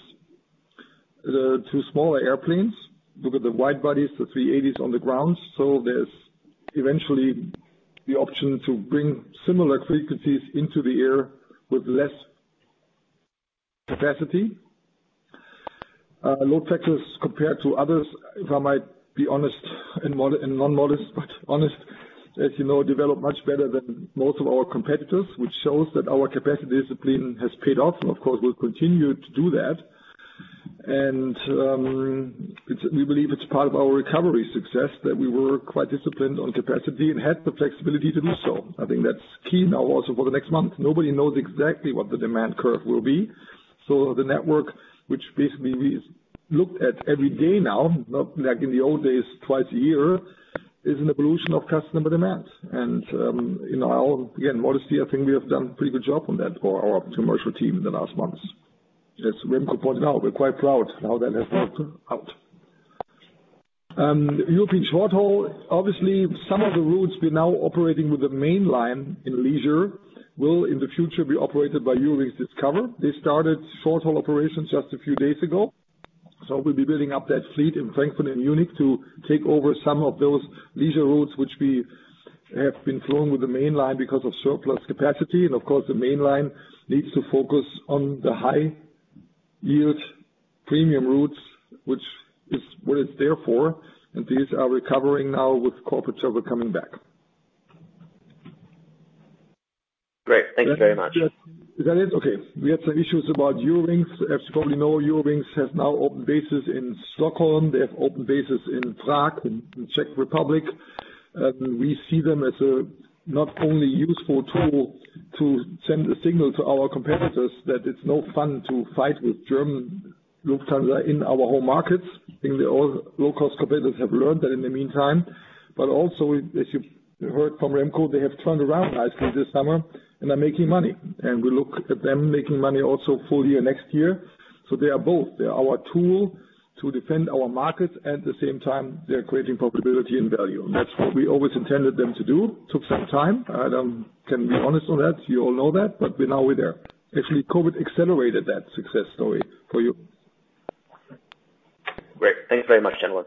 to smaller airplanes. Look at the wide bodies, the A380s on the ground. There's eventually the option to bring similar frequencies into the air with less capacity. Load factors compared to others, if I might be honest and not modest, but honest, as you know, developed much better than most of our competitors, which shows that our capacity discipline has paid off. Of course, we'll continue to do that. We believe it's part of our recovery success that we were quite disciplined on capacity and had the flexibility to do so. I think that's key now also for the next month. Nobody knows exactly what the demand curve will be. The network, which basically is looked at every day now, not like in the old days, twice a year, is an evolution of customer demand. In our again modesty, I think we have done a pretty good job on that for our commercial team in the last months. As Remco could point out, we're quite proud how that has worked out. European short-haul, obviously some of the routes we're now operating with the mainline in leisure will, in the future, be operated by Eurowings Discover. They started short-haul operations just a few days ago, so we'll be building up that fleet in Frankfurt and Munich to take over some of those leisure routes which we have been flying with the mainline because of surplus capacity. Of course, the mainline needs to focus on the high yield premium routes, which is what it's there for, and these are recovering now with corporate travel coming back. Great. Thank you very much. Is that it? Okay. We had some issues about Eurowings. As you probably know, Eurowings has now opened bases in Stockholm. They have opened bases in Prague, in Czech Republic. We see them as not only a useful tool to send a signal to our competitors that it's no fun to fight with German low-cost, in our home markets. I think all low-cost competitors have learned that in the meantime, but also as you heard from Remco, they have turned around nicely this summer and are making money, and we look at them making money also full year next year. They are both. They are our tool to defend our markets, at the same time, they're creating profitability and value. That's what we always intended them to do. Took some time. I can be honest on that. You all know that, but we're now there. Actually, COVID accelerated that success story for you. Great. Thanks very much, gentlemen.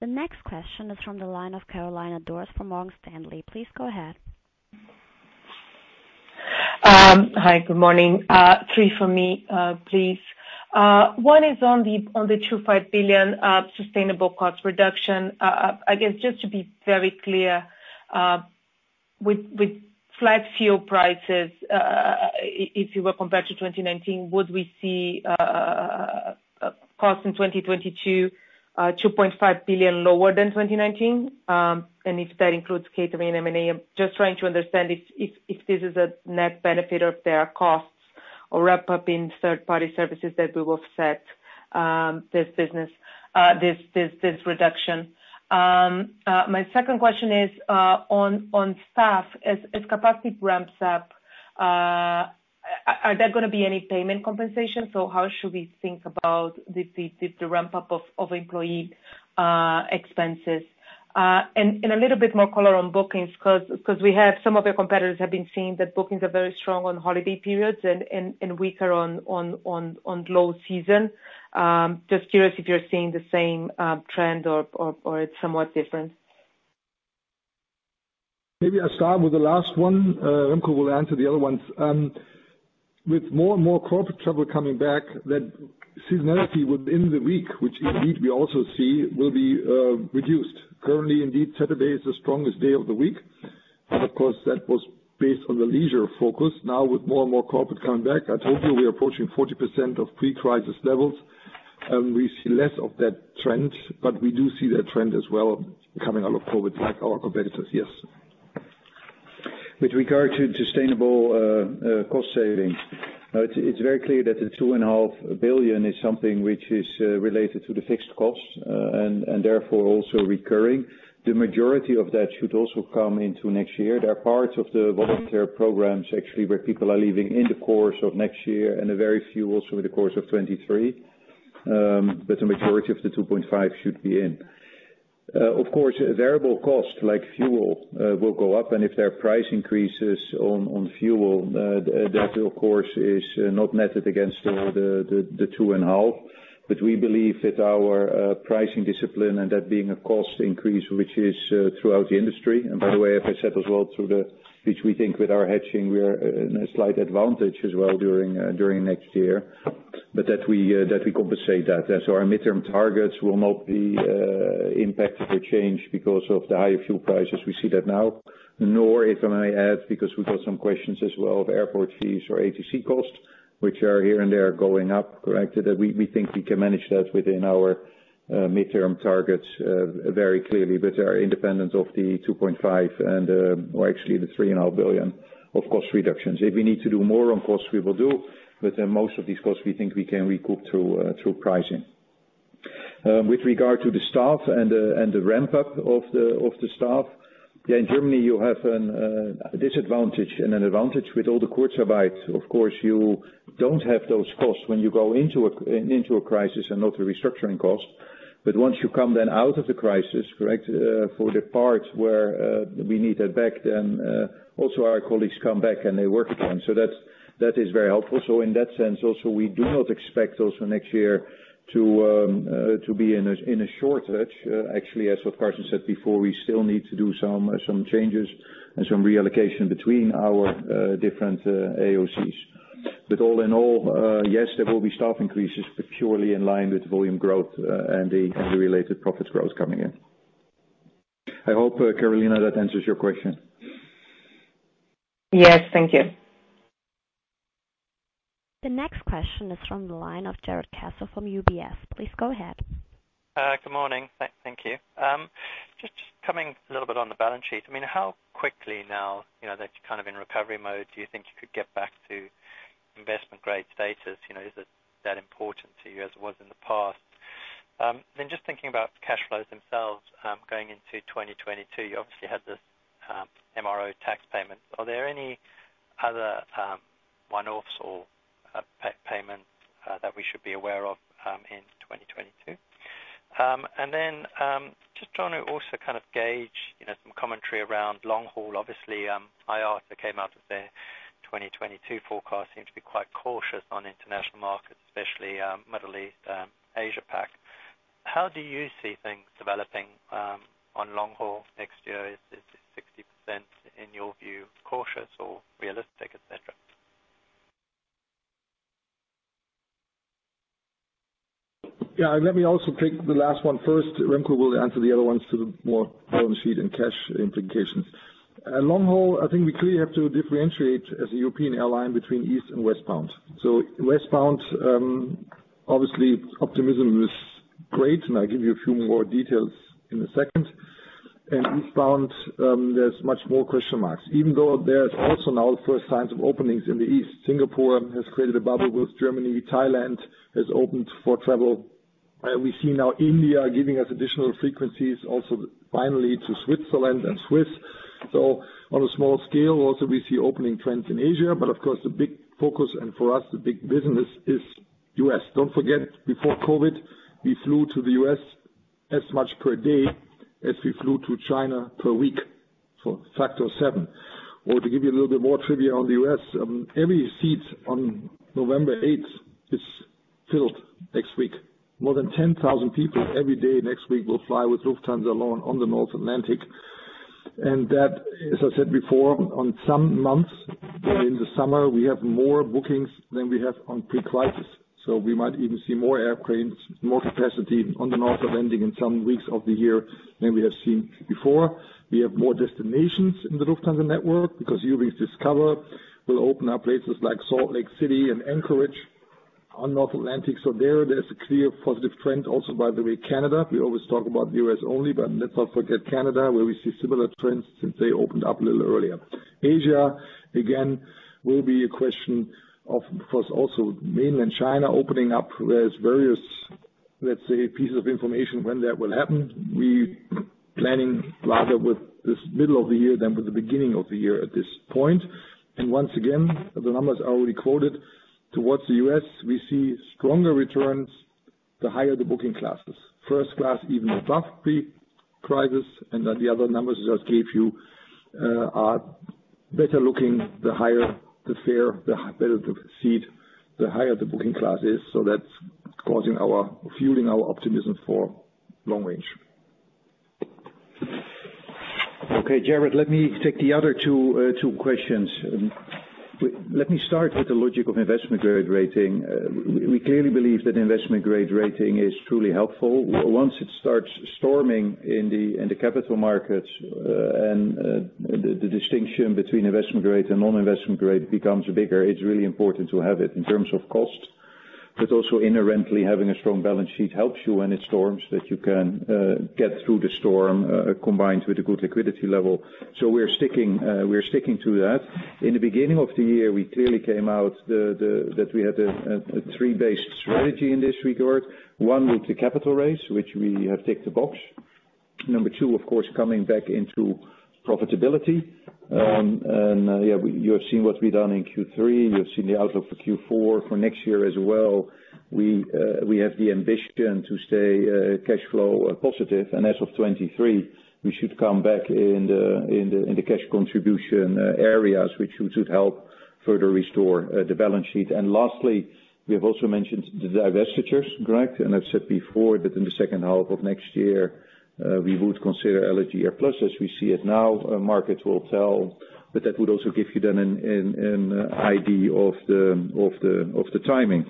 The next question is from the line of Carolina Dores from Morgan Stanley. Please go ahead. Hi, good morning. Three for me, please. One is on the 2.5 billion sustainable cost reduction. I guess, just to be very clear, with flat fuel prices, if you compare to 2019, would we see cost in 2022 2.5 billion lower than 2019? If that includes catering and M&A. I'm just trying to understand if this is a net benefit or if there are costs wrapped up in third-party services that will offset this reduction. My second question is on staff. As capacity ramps up, are there gonna be any pay compensation? How should we think about the ramp up of employee expenses? A little bit more color on bookings because we have some of your competitors have been saying that bookings are very strong on holiday periods and weaker on low season. Just curious if you're seeing the same trend or it's somewhat different. Maybe I'll start with the last one. Remco will answer the other ones. With more and more corporate travel coming back, that seasonality within the week, which indeed we also see, will be reduced. Currently, indeed, Saturday is the strongest day of the week, but of course, that was based on the leisure focus. Now with more and more corporate coming back, I told you, we are approaching 40% of pre-crisis levels, and we see less of that trend, but we do see that trend as well coming out of COVID, like our competitors. Yes. With regard to sustainable cost savings, it's very clear that the 2.5 billion is something which is related to the fixed costs and therefore also recurring. The majority of that should also come into next year. There are parts of the volunteer programs actually where people are leaving in the course of next year and a very few also in the course of 2023. The majority of the 2.5 billion should be in. Of course, variable costs like fuel will go up, and if there are price increases on fuel, that of course is not netted against the 2.5 billion. We believe that our pricing discipline and that being a cost increase, which is throughout the industry, and by the way, as I said as well, which we think with our hedging, we are in a slight advantage as well during next year, but that we compensate that. Our midterm targets will not be impacted or changed because of the higher fuel prices. We see that now. Nor, if I may add, because we got some questions as well of airport fees or ATC costs, which are here and there going up, correct. That we think we can manage that within our midterm targets very clearly, but are independent of the 2.5 billion and, or actually the 3.5 billion of cost reductions. If we need to do more on costs, we will do, but then most of these costs we think we can recoup through pricing. With regard to the staff and the ramp up of the staff, yeah, in Germany, you have a disadvantage and an advantage with all the Kurzarbeit. Of course, you don't have those costs when you go into a crisis and not the restructuring cost. Once you come out of the crisis, correct, for the parts where we need that back then, our colleagues come back and they work again. That is very helpful. In that sense, also, we do not expect also next year to be in a shortage. Actually, as what Carsten said before, we still need to do some changes and some reallocation between our different AOCs. All in all, yes, there will be staff increases, but purely in line with volume growth and the related profit growth coming in. I hope, Carolina, that answers your question. Yes. Thank you. The next question is from the line of Jarrod Castle from UBS. Please go ahead. Good morning. Thank you. Just coming a little bit on the balance sheet. I mean, how quickly now, you know, that you're kind of in recovery mode, do you think you could get back to investment grade status? You know, is it that important to you as it was in the past? Then just thinking about cash flows themselves, going into 2022, you obviously had this MRO tax payment. Are there any other one-offs or payments that we should be aware of in 2022? And then just trying to also kind of gauge, you know, some commentary around long haul. Obviously, IR that came out of the 2022 forecast seemed to be quite cautious on international markets, especially Middle East, Asia Pac. How do you see things developing on long haul next year? Is 60% in your view, cautious or realistic, et cetera? Yeah. Let me also take the last one first. Remco will answer the other ones to the more balance sheet and cash implications. Long haul, I think we clearly have to differentiate as a European airline between eastbound and westbound. Westbound, obviously, optimism is great, and I'll give you a few more details in a second. We found there's much more question marks. Even though there's also now first signs of openings in the East. Singapore has created a bubble with Germany. Thailand has opened for travel. We see now India giving us additional frequencies also finally to Switzerland and Swiss. On a small scale also we see opening trends in Asia, but of course, the big focus and for us the big business is U.S. Don't forget, before COVID, we flew to the U.S. as much per day as we flew to China per week, for factor of seven. To give you a little bit more trivia on the U.S., every seat on November 8th is filled next week. More than 10,000 people every day next week will fly with Lufthansa alone on the North Atlantic. That, as I said before, on some months in the summer, we have more bookings than we have on pre-crisis. We might even see more airplanes, more capacity on the North Atlantic in some weeks of the year than we have seen before. We have more destinations in the Lufthansa network because Eurowings Discover will open up places like Salt Lake City and Anchorage on North Atlantic. There, there's a clear positive trend also by the way, Canada. We always talk about the U.S. only, but let's not forget Canada, where we see similar trends since they opened up a little earlier. Asia, again, will be a question of course also mainland China opening up. There's various, let's say, pieces of information when that will happen. We're planning rather with this middle of the year than with the beginning of the year at this point. Once again, the numbers are already quoted. Towards the U.S., we see stronger returns the higher the booking classes. First class even above pre-crisis, and then the other numbers I just gave you are better looking the higher the fare, the better the seat, the higher the booking class is. That's fueling our optimism for long range. Okay, Jared, let me take the other two questions. Let me start with the logic of investment grade rating. We clearly believe that investment grade rating is truly helpful. Once it starts storming in the capital markets, the distinction between investment grade and non-investment grade becomes bigger, it's really important to have it in terms of cost. Also inherently, having a strong balance sheet helps you when it storms, that you can get through the storm combined with a good liquidity level. We're sticking to that. In the beginning of the year, we clearly came out that we had a three-based strategy in this regard. One with the capital raise, which we have ticked the box. Number two, of course, coming back into profitability. You have seen what we've done in Q3, you have seen the outlook for Q4. For next year as well, we have the ambition to stay cash flow positive. As of 2023, we should come back in the cash contribution areas, which should help further restore the balance sheet. Lastly, we have also mentioned the divestitures, correct? I've said before that in the second half of next year, we would consider AirPlus as we see it now. Markets will tell, but that would also give you then an idea of the timing.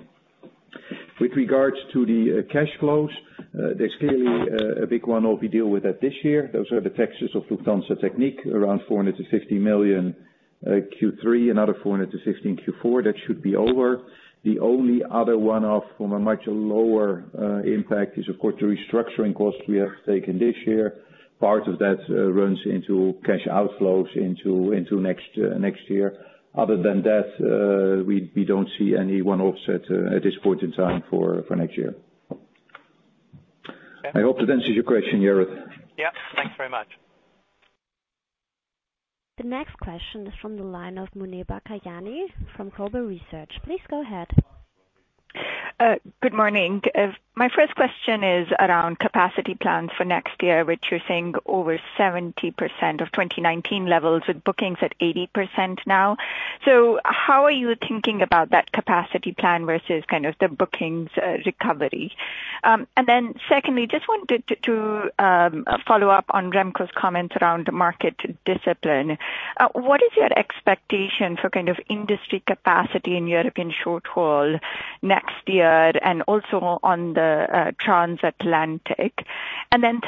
With regards to the cash flows, there's clearly a big one-off. We deal with that this year. Those are the taxes of Lufthansa Technik, around 450 million in Q3, another 460 million in Q4. That should be over. The only other one-off from a much lower impact is of course the restructuring costs we have taken this year. Part of that runs into cash outflows into next year. Other than that, we don't see any one-offs at this point in time for next year. I hope that answers your question, Jarrod. Yeah. Thanks very much. The next question is from the line of Muneeba Kayani from BofA Research. Please go ahead. Good morning. My first question is around capacity plans for next year, which you're saying over 70% of 2019 levels, with bookings at 80% now. How are you thinking about that capacity plan versus kind of the bookings recovery? Secondly, just wanted to follow up on Remco's comment around market discipline. What is your expectation for kind of industry capacity in European short-haul next year and also on the transatlantic?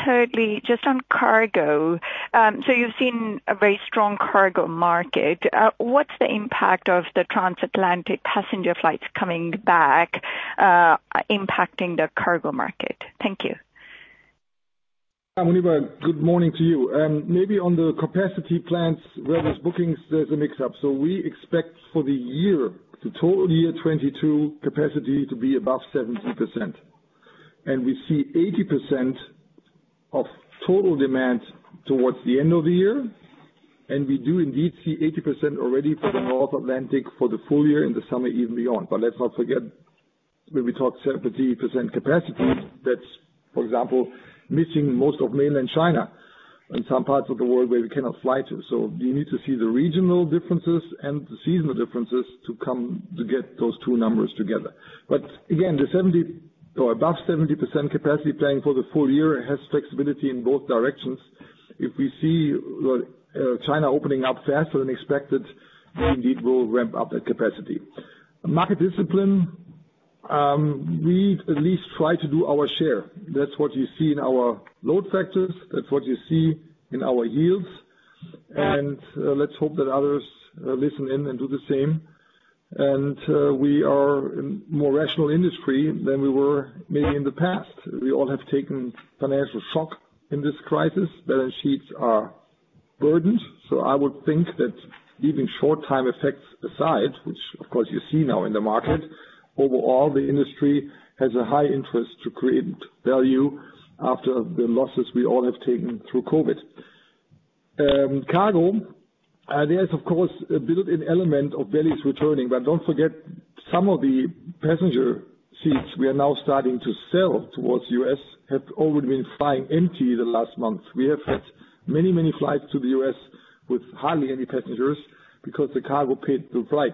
Thirdly, just on cargo, so you've seen a very strong cargo market. What's the impact of the transatlantic passenger flights coming back impacting the cargo market? Thank you. Muneeba, good morning to you. Maybe on the capacity plans where there's bookings, there's a mix-up. We expect for the year, the total year 2022 capacity to be above 70%. We see 80% of total demand towards the end of the year. We do indeed see 80% already for the North Atlantic for the full year in the summer, even beyond. Let's not forget, when we talk 70% capacity, that's, for example, missing most of mainland China and some parts of the world where we cannot fly to. You need to see the regional differences and the seasonal differences to come to get those two numbers together. Again, the 70% or above 70% capacity planning for the full year has flexibility in both directions. If we see China opening up faster than expected, we indeed will ramp up that capacity. Market discipline, we at least try to do our share. That's what you see in our load factors. That's what you see in our yields. Let's hope that others listen in and do the same. We are a more rational industry than we were maybe in the past. We all have taken financial shock in this crisis. Balance sheets are burdened. I would think that leaving short-time effects aside, which of course you see now in the market, overall, the industry has a high interest to create value after the losses we all have taken through COVID. Cargo, there's of course a built-in element of bellies returning. Don't forget, some of the passenger seats we are now starting to sell toward U.S. have already been flying empty the last month. We have had many, many flights to the U.S. with hardly any passengers because the cargo paid the flight.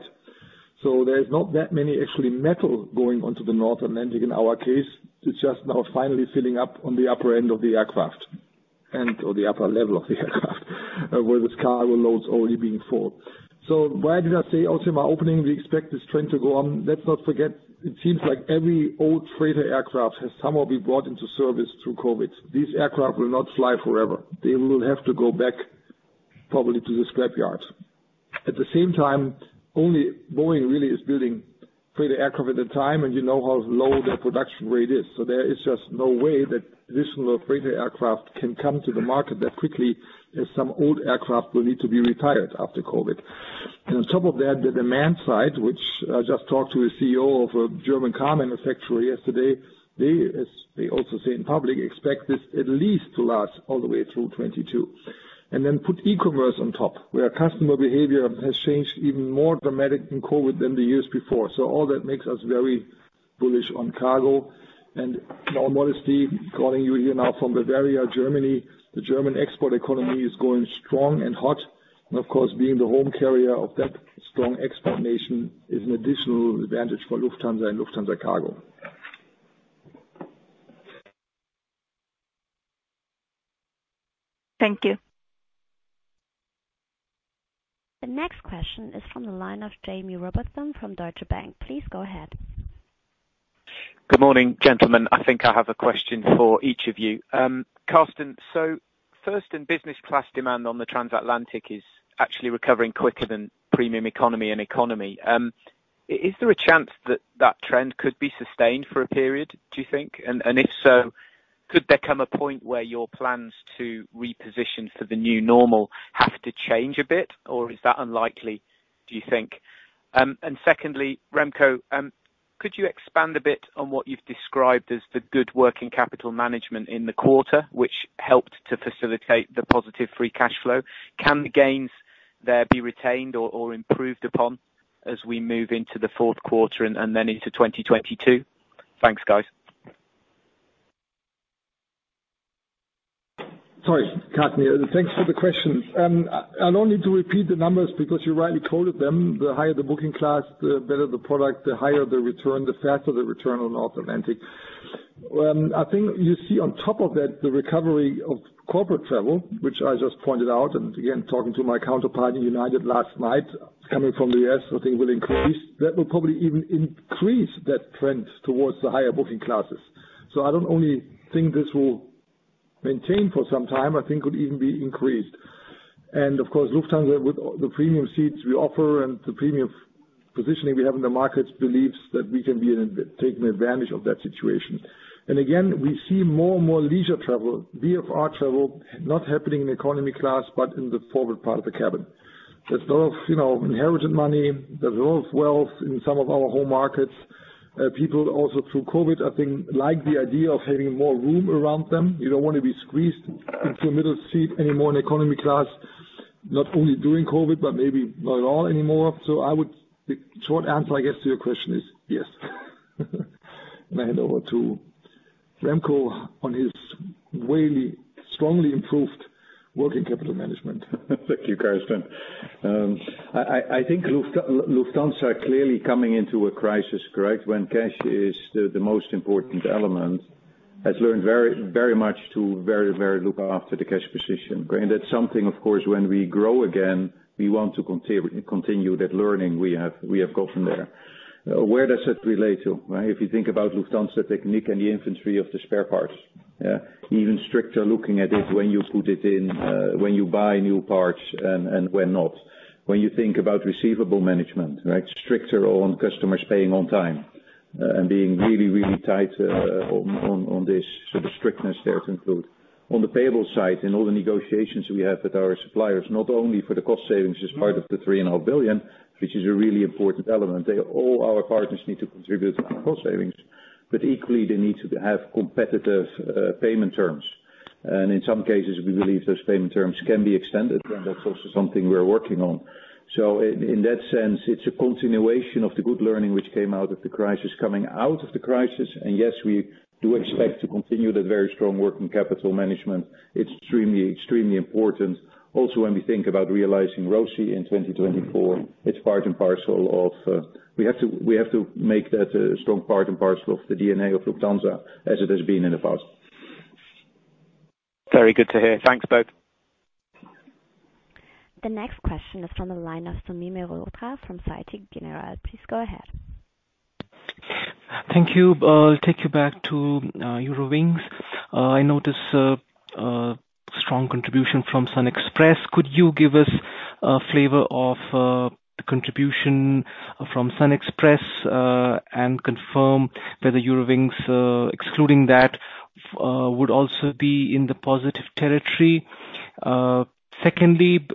There's not that many actually metal going onto the North Atlantic in our case. It's just now finally filling up on the upper end of the aircraft, and or the upper level of the aircraft, where the cargo load's already been full. Why did I say also in my opening we expect this trend to go on? Let's not forget, it seems like every old freighter aircraft has somehow been brought into service through COVID. These aircraft will not fly forever. They will have to go back probably to the scrapyard. At the same time, only Boeing really is building freighter aircraft at the time, and you know how low their production rate is. There is just no way that additional freighter aircraft can come to the market that quickly, as some old aircraft will need to be retired after COVID. On top of that, the demand side, which I just talked to a CEO of a German car manufacturer yesterday, they, as they also say in public, expect this at least to last all the way through 2022. Then put e-commerce on top, where customer behavior has changed even more dramatic in COVID than the years before. All that makes us very bullish on cargo. No modesty calling you here now from Bavaria, Germany. The German export economy is going strong and hot. Of course, being the home carrier of that strong export nation is an additional advantage for Lufthansa and Lufthansa Cargo. Thank you. The next question is from the line of Jaime Rowbotham from Deutsche Bank. Please go ahead. Good morning, gentlemen. I think I have a question for each of you. Carsten, first in business class demand on the transatlantic is actually recovering quicker than premium economy and economy. Is there a chance that the trend could be sustained for a period, do you think? And if so, could there come a point where your plans to reposition for the new normal have to change a bit, or is that unlikely, do you think? Secondly, Remco, could you expand a bit on what you've described as the good working capital management in the quarter, which helped to facilitate the positive free cash flow? Can the gains there be retained or improved upon as we move into the fourth quarter and then into 2022? Thanks, guys. Sorry. Carsten here. Thanks for the question. I'll only need to repeat the numbers because you rightly quoted them. The higher the booking class, the better the product, the higher the return, the faster the return on North Atlantic. I think you see on top of that, the recovery of corporate travel, which I just pointed out, and again, talking to my counterpart in United last night, coming from the U.S., I think will increase. That will probably even increase that trend towards the higher booking classes. I don't only think this will maintain for some time, I think it could even be increased. Of course, Lufthansa with the premium seats we offer and the premium positioning we have in the markets believes that we can be taking advantage of that situation. Again, we see more and more leisure travel, VFR travel, not happening in economy class but in the forward part of the cabin. There's a lot of, you know, inherited money. There's a lot of wealth in some of our home markets. People also through COVID, I think, like the idea of having more room around them. You don't wanna be squeezed into a middle seat anymore in economy class, not only during COVID, but maybe not at all anymore. I would. The short answer, I guess, to your question is yes. I hand over to Remco on his way, strongly improved working capital management. Thank you, Carsten. I think Lufthansa clearly coming into a crisis, correct? When cash is the most important element, has learned very much to very look after the cash position. That's something, of course, when we grow again, we want to continue that learning we have got from there. Where does it relate to, right? If you think about Lufthansa Technik and the inventory of the spare parts. Even stricter looking at it when you put it in, when you buy new parts and when not. When you think about receivable management, right? Stricter on customers paying on time, and being really tight on this. The strictness there to include. On the payable side, in all the negotiations we have with our suppliers, not only for the cost savings as part of the 3.5 billion, which is a really important element. All our partners need to contribute to cost savings, but equally, they need to have competitive payment terms. In some cases, we believe those payment terms can be extended, and that's also something we're working on. In that sense, it's a continuation of the good learning which came out of the crisis. Yes, we do expect to continue that very strong working capital management. Extremely important. Also, when we think about realizing ROCE in 2024, it's part and parcel of we have to make that a strong part and parcel of the DNA of Lufthansa as it has been in the past. Very good to hear. Thanks, both. The next question is from the line of Sumit Mehrotra from Société Générale. Please go ahead. Thank you. Take you back to Eurowings. I notice strong contribution from SunExpress. Could you give us a flavor of the contribution from SunExpress, and confirm whether Eurowings, excluding that, would also be in the positive territory? Secondly,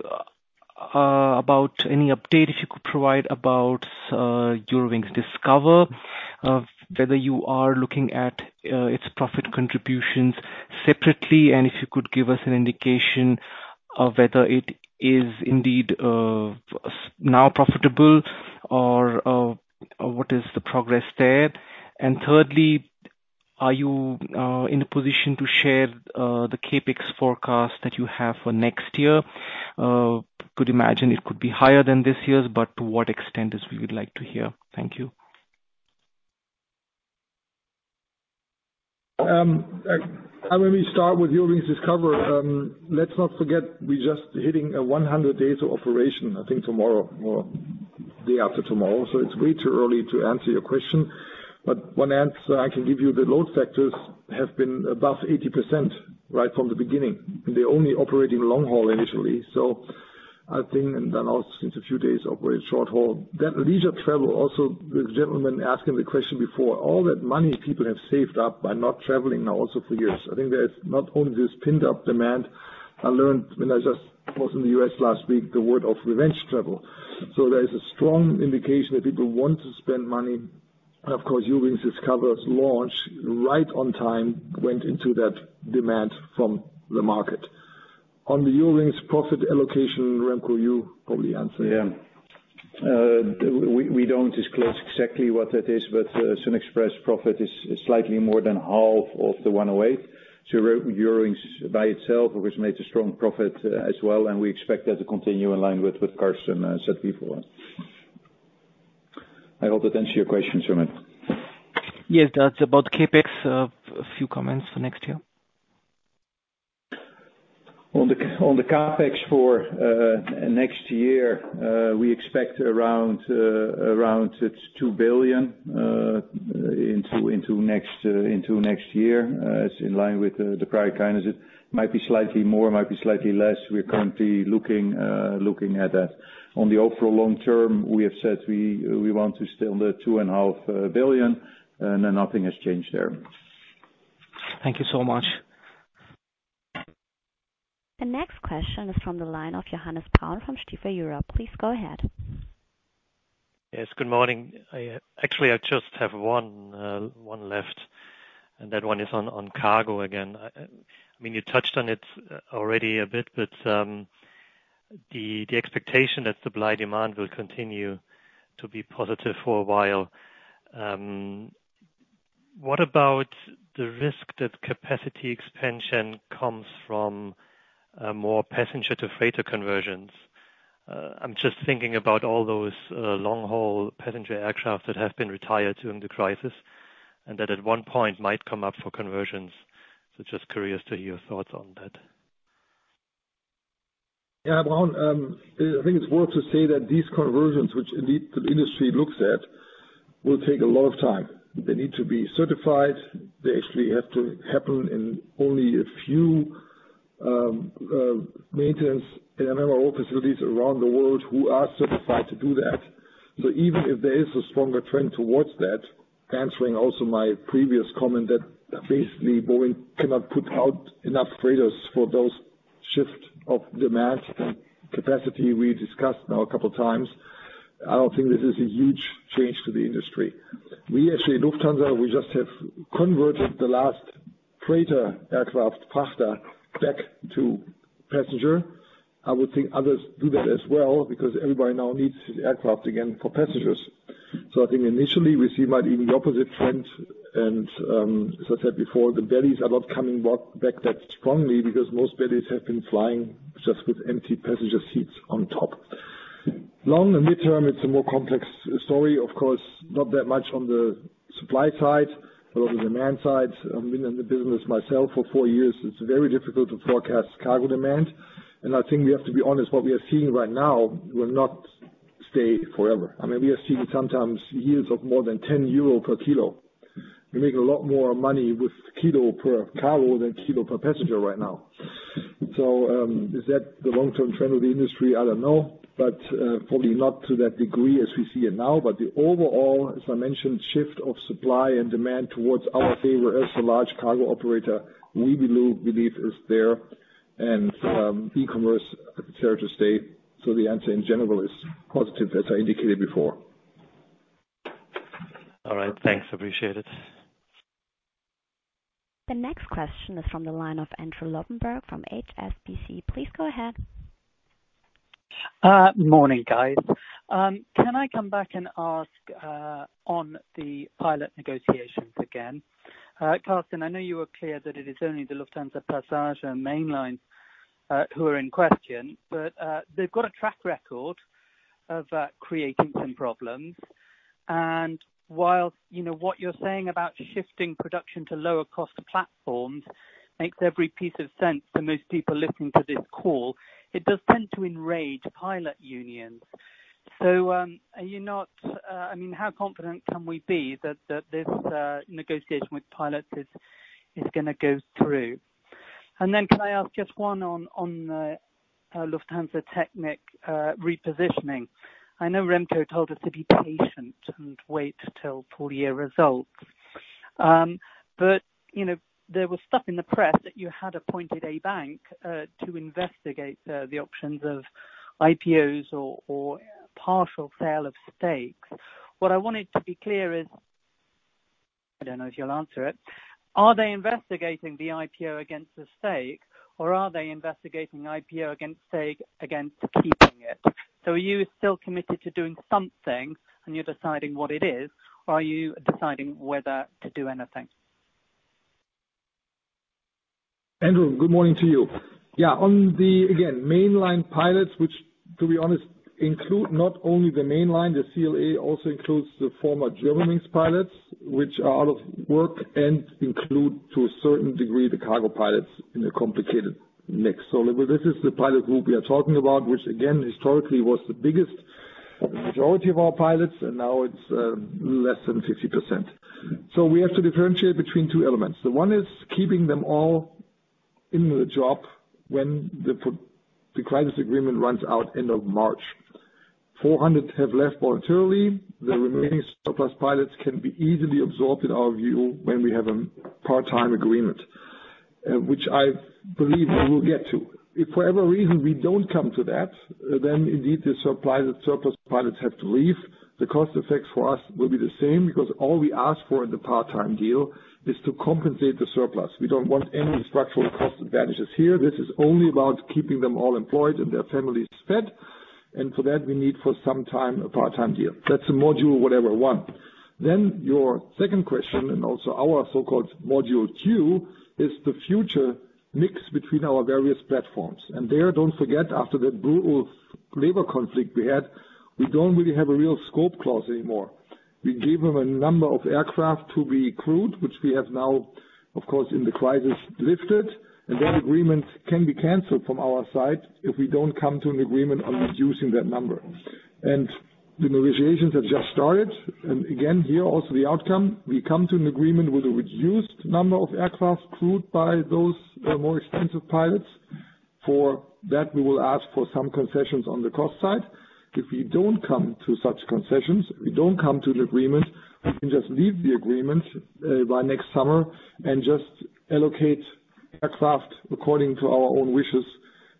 about any update if you could provide about Eurowings Discover, whether you are looking at its profit contributions separately, and if you could give us an indication of whether it is indeed now profitable or what is the progress there. Thirdly, are you in a position to share the CapEx forecast that you have for next year? Could imagine it could be higher than this year's, but to what extent, as we would like to hear. Thank you. I will start with Eurowings Discover. Let's not forget we're just hitting 100 days of operation, I think tomorrow or day after tomorrow, so it's way too early to answer your question. One answer I can give you, the load factors have been above 80% right from the beginning. They're only operating long-haul initially, so I think, and then also since a few days operate short-haul. That leisure travel also, the gentleman asking the question before, all that money people have saved up by not traveling now also for years, I think there is not only this pent-up demand. I learned when I just was in the U.S. last week, the word of revenge travel. There is a strong indication that people want to spend money. Of course, Eurowings Discover's launch right on time, went into that demand from the market. On the Eurowings profit allocation, Remco, you probably answer. Yeah. We don't disclose exactly what that is, but SunExpress profit is slightly more than half of the 108 million. Eurowings by itself, which made a strong profit as well, and we expect that to continue in line with what Carsten said before. I hope that answers your question, Sumit. Yes. That's about CapEx, a few comments for next year. On the CapEx for next year, we expect around 2 billion into next year. It's in line with the prior guidance. It might be slightly more, it might be slightly less. We're currently looking at that. On the overall long term, we have said we want to stay on the 2.5 billion, and then nothing has changed there. Thank you so much. The next question is from the line of Johannes Braun from Stifel Europe. Please go ahead. Yes, good morning. I actually just have one left, and that one is on cargo again. I mean, you touched on it already a bit, but the expectation that supply demand will continue to be positive for a while. What about the risk that capacity expansion comes from more passenger to freighter conversions? I'm just thinking about all those long-haul passenger aircraft that have been retired during the crisis and that at one point might come up for conversions. Just curious to hear your thoughts on that. Yeah, Braun, I think it's worth to say that these conversions, which indeed the industry looks at, will take a lot of time. They need to be certified. They actually have to happen in only a few maintenance MRO facilities around the world who are certified to do that. Even if there is a stronger trend towards that, answering also my previous comment that basically Boeing cannot put out enough freighters for those shift of demand capacity we discussed now a couple times, I don't think this is a huge change to the industry. We actually, Lufthansa, we just have converted the last freighter aircraft back to passenger. I would think others do that as well because everybody now needs aircraft again for passengers. I think initially we see maybe the opposite trend and, as I said before, the bellies are not coming back that strongly because most bellies have been flying just with empty passenger seats on top. Long and midterm, it's a more complex story. Of course, not that much on the supply side, but on the demand side, I've been in the business myself for four years, it's very difficult to forecast cargo demand. I think we have to be honest, what we are seeing right now will not stay forever. I mean, we are seeing sometimes yields of more than 10 euro per kilo. We make a lot more money with kilo per cargo than kilo per passenger right now. Is that the long-term trend of the industry? I don't know, but probably not to that degree as we see it now. The overall, as I mentioned, shift of supply and demand towards our favor as a large cargo operator, we believe is there and e-commerce is here to stay. The answer in general is positive as I indicated before. All right. Thanks. Appreciate it. The next question is from the line of Andrew Lobbenberg from HSBC. Please go ahead. Morning, guys. Can I come back and ask on the pilot negotiations again? Carsten, I know you were clear that it is only the Lufthansa Passenger mainline who are in question, but they've got a track record of creating some problems. While, you know, what you're saying about shifting production to lower cost platforms makes every piece of sense for most people listening to this call, it does tend to enrage pilot unions. Are you not, I mean, how confident can we be that this negotiation with pilots is gonna go through? Can I ask just one on Lufthansa Technik repositioning? I know Remco told us to be patient and wait till full year results. But, you know, there was stuff in the press that you had appointed a bank to investigate the options of IPOs or partial sale of stakes. What I wanted to be clear is, I don't know if you'll answer it. Are they investigating the IPO against the stake, or IPO against stake against keeping it? Are you still committed to doing something and you're deciding what it is, or are you deciding whether to do anything? Andrew, good morning to you. Yeah, on the, again, mainline pilots, which to be honest, include not only the mainline, the CLA also includes the former Germanwings pilots, which are out of work and include to a certain degree the cargo pilots in a complicated mix. This is the pilot group we are talking about, which again, historically was the biggest, majority of our pilots, and now it's less than 50%. We have to differentiate between two elements. The one is keeping them all in the job when the crisis agreement runs out end of March. 400 have left voluntarily. The remaining surplus pilots can be easily absorbed, in our view, when we have a part-time agreement, which I believe we will get to. If for whatever reason we don't come to that, then indeed, the supply, the surplus pilots have to leave. The cost effect for us will be the same, because all we ask for in the part-time deal is to compensate the surplus. We don't want any structural cost advantages here. This is only about keeping them all employed and their families fed. For that we need for some time a part-time deal. That's module, whatever, one. Your second question, and also our so-called module two, is the future mix between our various platforms. There, don't forget, after that brutal labor conflict we had, we don't really have a real scope clause anymore. We gave them a number of aircraft to be crewed, which we have now of course in the crisis lifted, and that agreement can be canceled from our side if we don't come to an agreement on reducing that number. The negotiations have just started. Again, here also the outcome, we come to an agreement with a reduced number of aircraft crewed by those more expensive pilots. For that, we will ask for some concessions on the cost side. If we don't come to such concessions, we don't come to the agreement, we can just leave the agreement by next summer and just allocate aircraft according to our own wishes,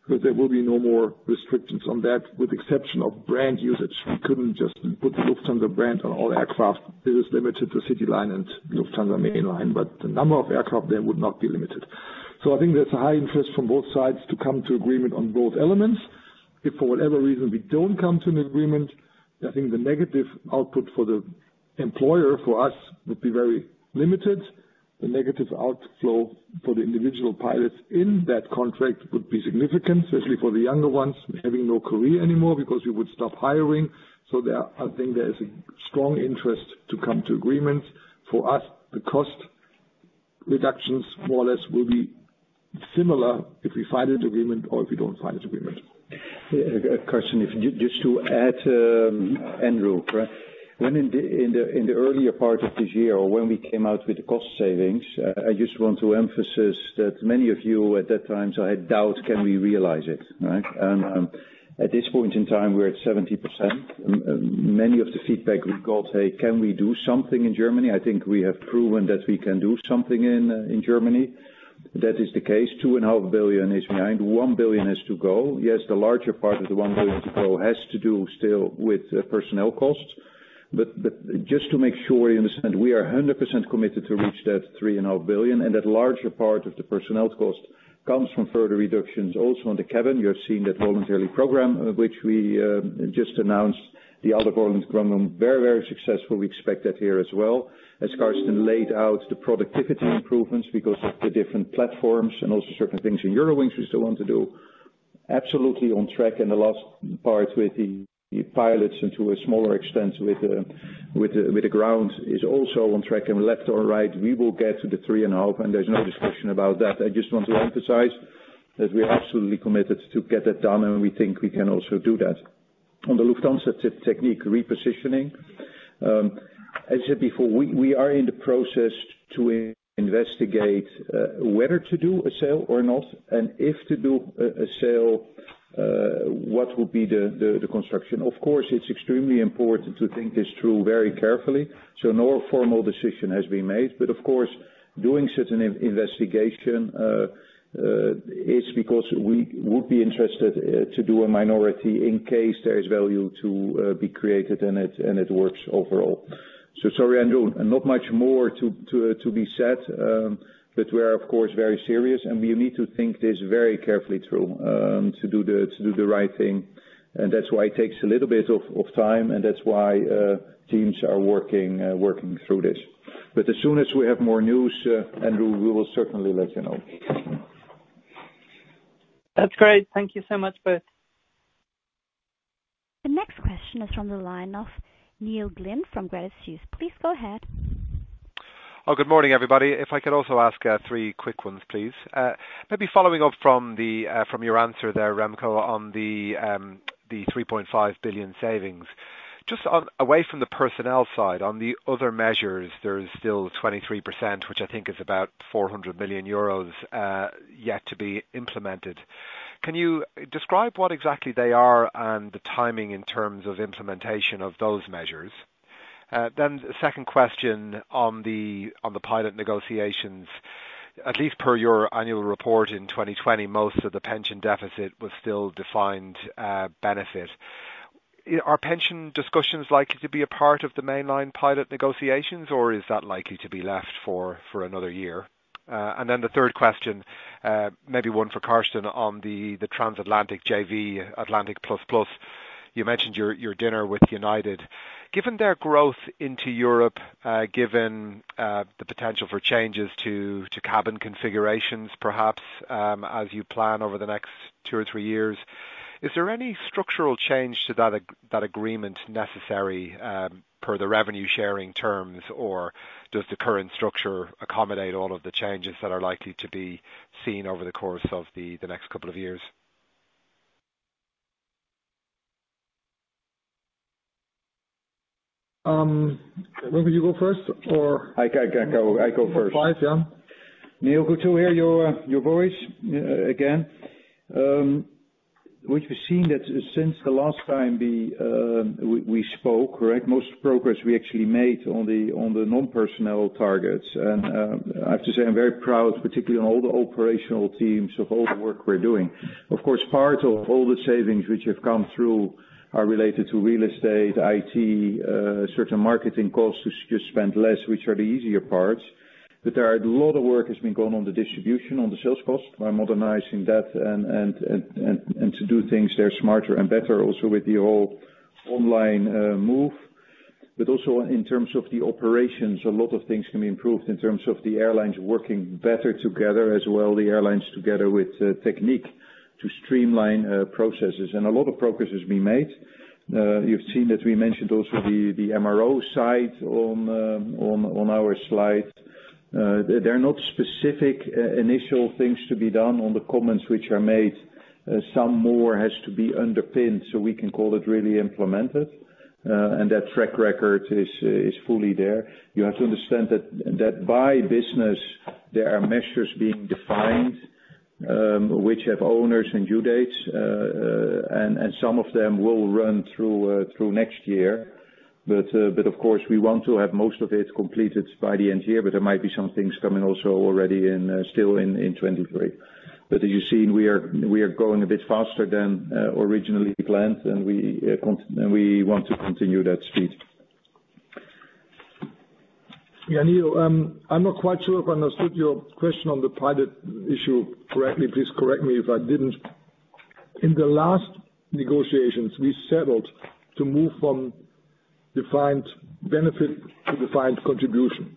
because there will be no more restrictions on that, with exception of brand usage. We couldn't just put Lufthansa brand on all aircraft. It is limited to CityLine and Lufthansa mainline, but the number of aircraft there would not be limited. I think there's a high interest from both sides to come to agreement on both elements. If for whatever reason we don't come to an agreement, I think the negative output for the employer, for us, would be very limited. The negative outflow for the individual pilots in that contract would be significant, especially for the younger ones having no career anymore because we would stop hiring. There, I think there is a strong interest to come to agreement. For us, the cost reductions more or less will be similar if we sign an agreement or if we don't sign an agreement. Carsten, just to add, Andrew. When in the earlier part of this year when we came out with the cost savings, I just want to emphasize that many of you at that time had doubts, can we realize it, right? At this point in time, we're at 70%. Many of the feedback we got say, "Can we do something in Germany?" I think we have proven that we can do something in Germany. That is the case. 2.5 billion is behind. 1 billion has to go. Yes, the larger part of the 1 billion to go has to do still with personnel costs. Just to make sure you understand, we are 100% committed to reach that 3.5 billion, and that larger part of the personnel cost comes from further reductions also on the cabin. You have seen that voluntary program, which we just announced, the other voluntary program. Very successful. We expect that here as well. As Carsten laid out, the productivity improvements because of the different platforms and also certain things in Eurowings we still want to do. Absolutely on track. The last part with the pilots and to a smaller extent with the grounds is also on track. Left or right, we will get to the 3.5 billion and there's no discussion about that. I just want to emphasize that we are absolutely committed to get that done, and we think we can also do that. On the Lufthansa Technik repositioning, as I said before, we are in the process to investigate whether to do a sale or not, and if to do a sale, what will be the construction. Of course, it's extremely important to think this through very carefully. No formal decision has been made. Of course, doing such an investigation is because we would be interested to do a minority in case there is value to be created and it works overall. Sorry, Andrew, and not much more to be said, but we are of course very serious and we need to think this very carefully through, to do the right thing. That's why it takes a little bit of time, and that's why teams are working through this. But as soon as we have more news, Andrew, we will certainly let you know. That's great. Thank you so much both. The next question is from the line of Neil Glynn from Credit Suisse. Please go ahead. Oh, good morning, everybody. If I could also ask three quick ones, please. Maybe following up from your answer there, Remco, on the 3.5 billion savings. Just on, away from the personnel side, on the other measures, there is still 23%, which I think is about 400 million euros yet to be implemented. Can you describe what exactly they are and the timing in terms of implementation of those measures? Then second question on the pilot negotiations. At least per your annual report in 2020, most of the pension deficit was still defined benefit. Are pension discussions likely to be a part of the mainline pilot negotiations, or is that likely to be left for another year? The third question, maybe one for Carsten on the transatlantic JV, Atlantic++. You mentioned your dinner with United. Given their growth into Europe, given the potential for changes to cabin configurations, perhaps, as you plan over the next two or three years, is there any structural change to that agreement necessary, per the revenue sharing terms, or does the current structure accommodate all of the changes that are likely to be seen over the course of the next couple of years? Remco, will you go first or? I can go. I go first. Go for it, yeah. Neil, good to hear your voice again. What you're seeing is that since the last time we spoke, correct, most progress we actually made on the non-personnel targets. I have to say I'm very proud, particularly of all the operational teams of all the work we're doing. Of course, part of all the savings which have come through are related to real estate, IT, certain marketing costs we're to spend less, which are the easier parts. There are a lot of work that's been going in the distribution, on the sales cost. We're modernizing that to do things that are smarter and better also with the whole online move. Also in terms of the operations, a lot of things can be improved in terms of the airlines working better together as well, the airlines together with Technik to streamline processes. A lot of progress has been made. You've seen that we mentioned also the MRO site on our slide. There are not specific initial things to be done on the comments which are made. Some more has to be underpinned, so we can call it really implemented. That track record is fully there. You have to understand that by business, there are measures being defined, which have owners and due dates, and some of them will run through next year. Of course, we want to have most of it completed by the end of year, but there might be some things coming also already still in 2023. As you've seen, we are going a bit faster than originally planned, and we want to continue that speed. Yeah, Neil, I'm not quite sure if I understood your question on the pilot issue correctly. Please correct me if I didn't. In the last negotiations, we settled to move from defined benefit to defined contribution.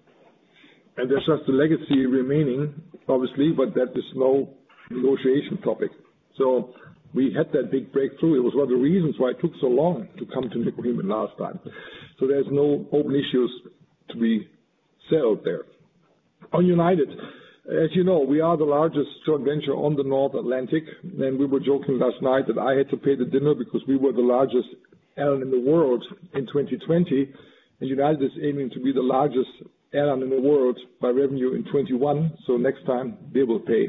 There's just a legacy remaining, obviously, but that is no negotiation topic. We had that big breakthrough. It was one of the reasons why it took so long to come to an agreement last time. There's no open issues to be settled there. On United, as you know, we are the largest joint venture on the North Atlantic. We were joking last night that I had to pay the dinner because we were the largest airline in the world in 2020. United is aiming to be the largest airline in the world by revenue in 2021, so next time they will pay.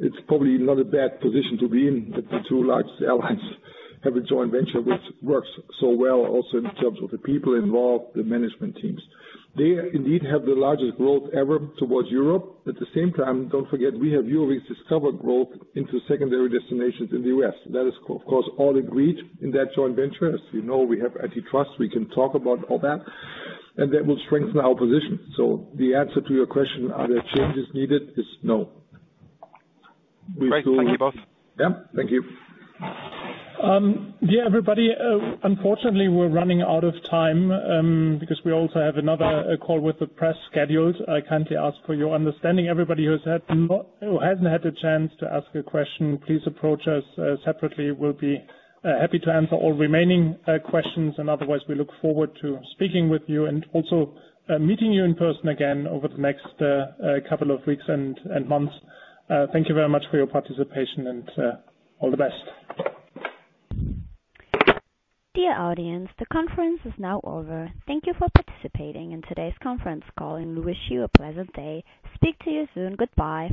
It's probably not a bad position to be in, the two largest airlines have a joint venture which works so well also in terms of the people involved, the management teams. They indeed have the largest growth ever towards Europe. At the same time, don't forget we have Eurowings Discover growth into secondary destinations in the U.S. That is, of course, all agreed in that joint venture. As you know, we have antitrust. We can talk about all that, and that will strengthen our position. The answer to your question, are there changes needed, is no. Great. Thank you both. Yeah. Thank you. Yeah, everybody, unfortunately, we're running out of time because we also have another call with the press scheduled. I kindly ask for your understanding. Everybody who hasn't had the chance to ask a question, please approach us separately. We'll be happy to answer all remaining questions. Otherwise, we look forward to speaking with you and also meeting you in person again over the next couple of weeks and months. Thank you very much for your participation, and all the best. Dear audience, the conference is now over. Thank you for participating in today's conference call, and we wish you a pleasant day. Speak to you soon. Goodbye.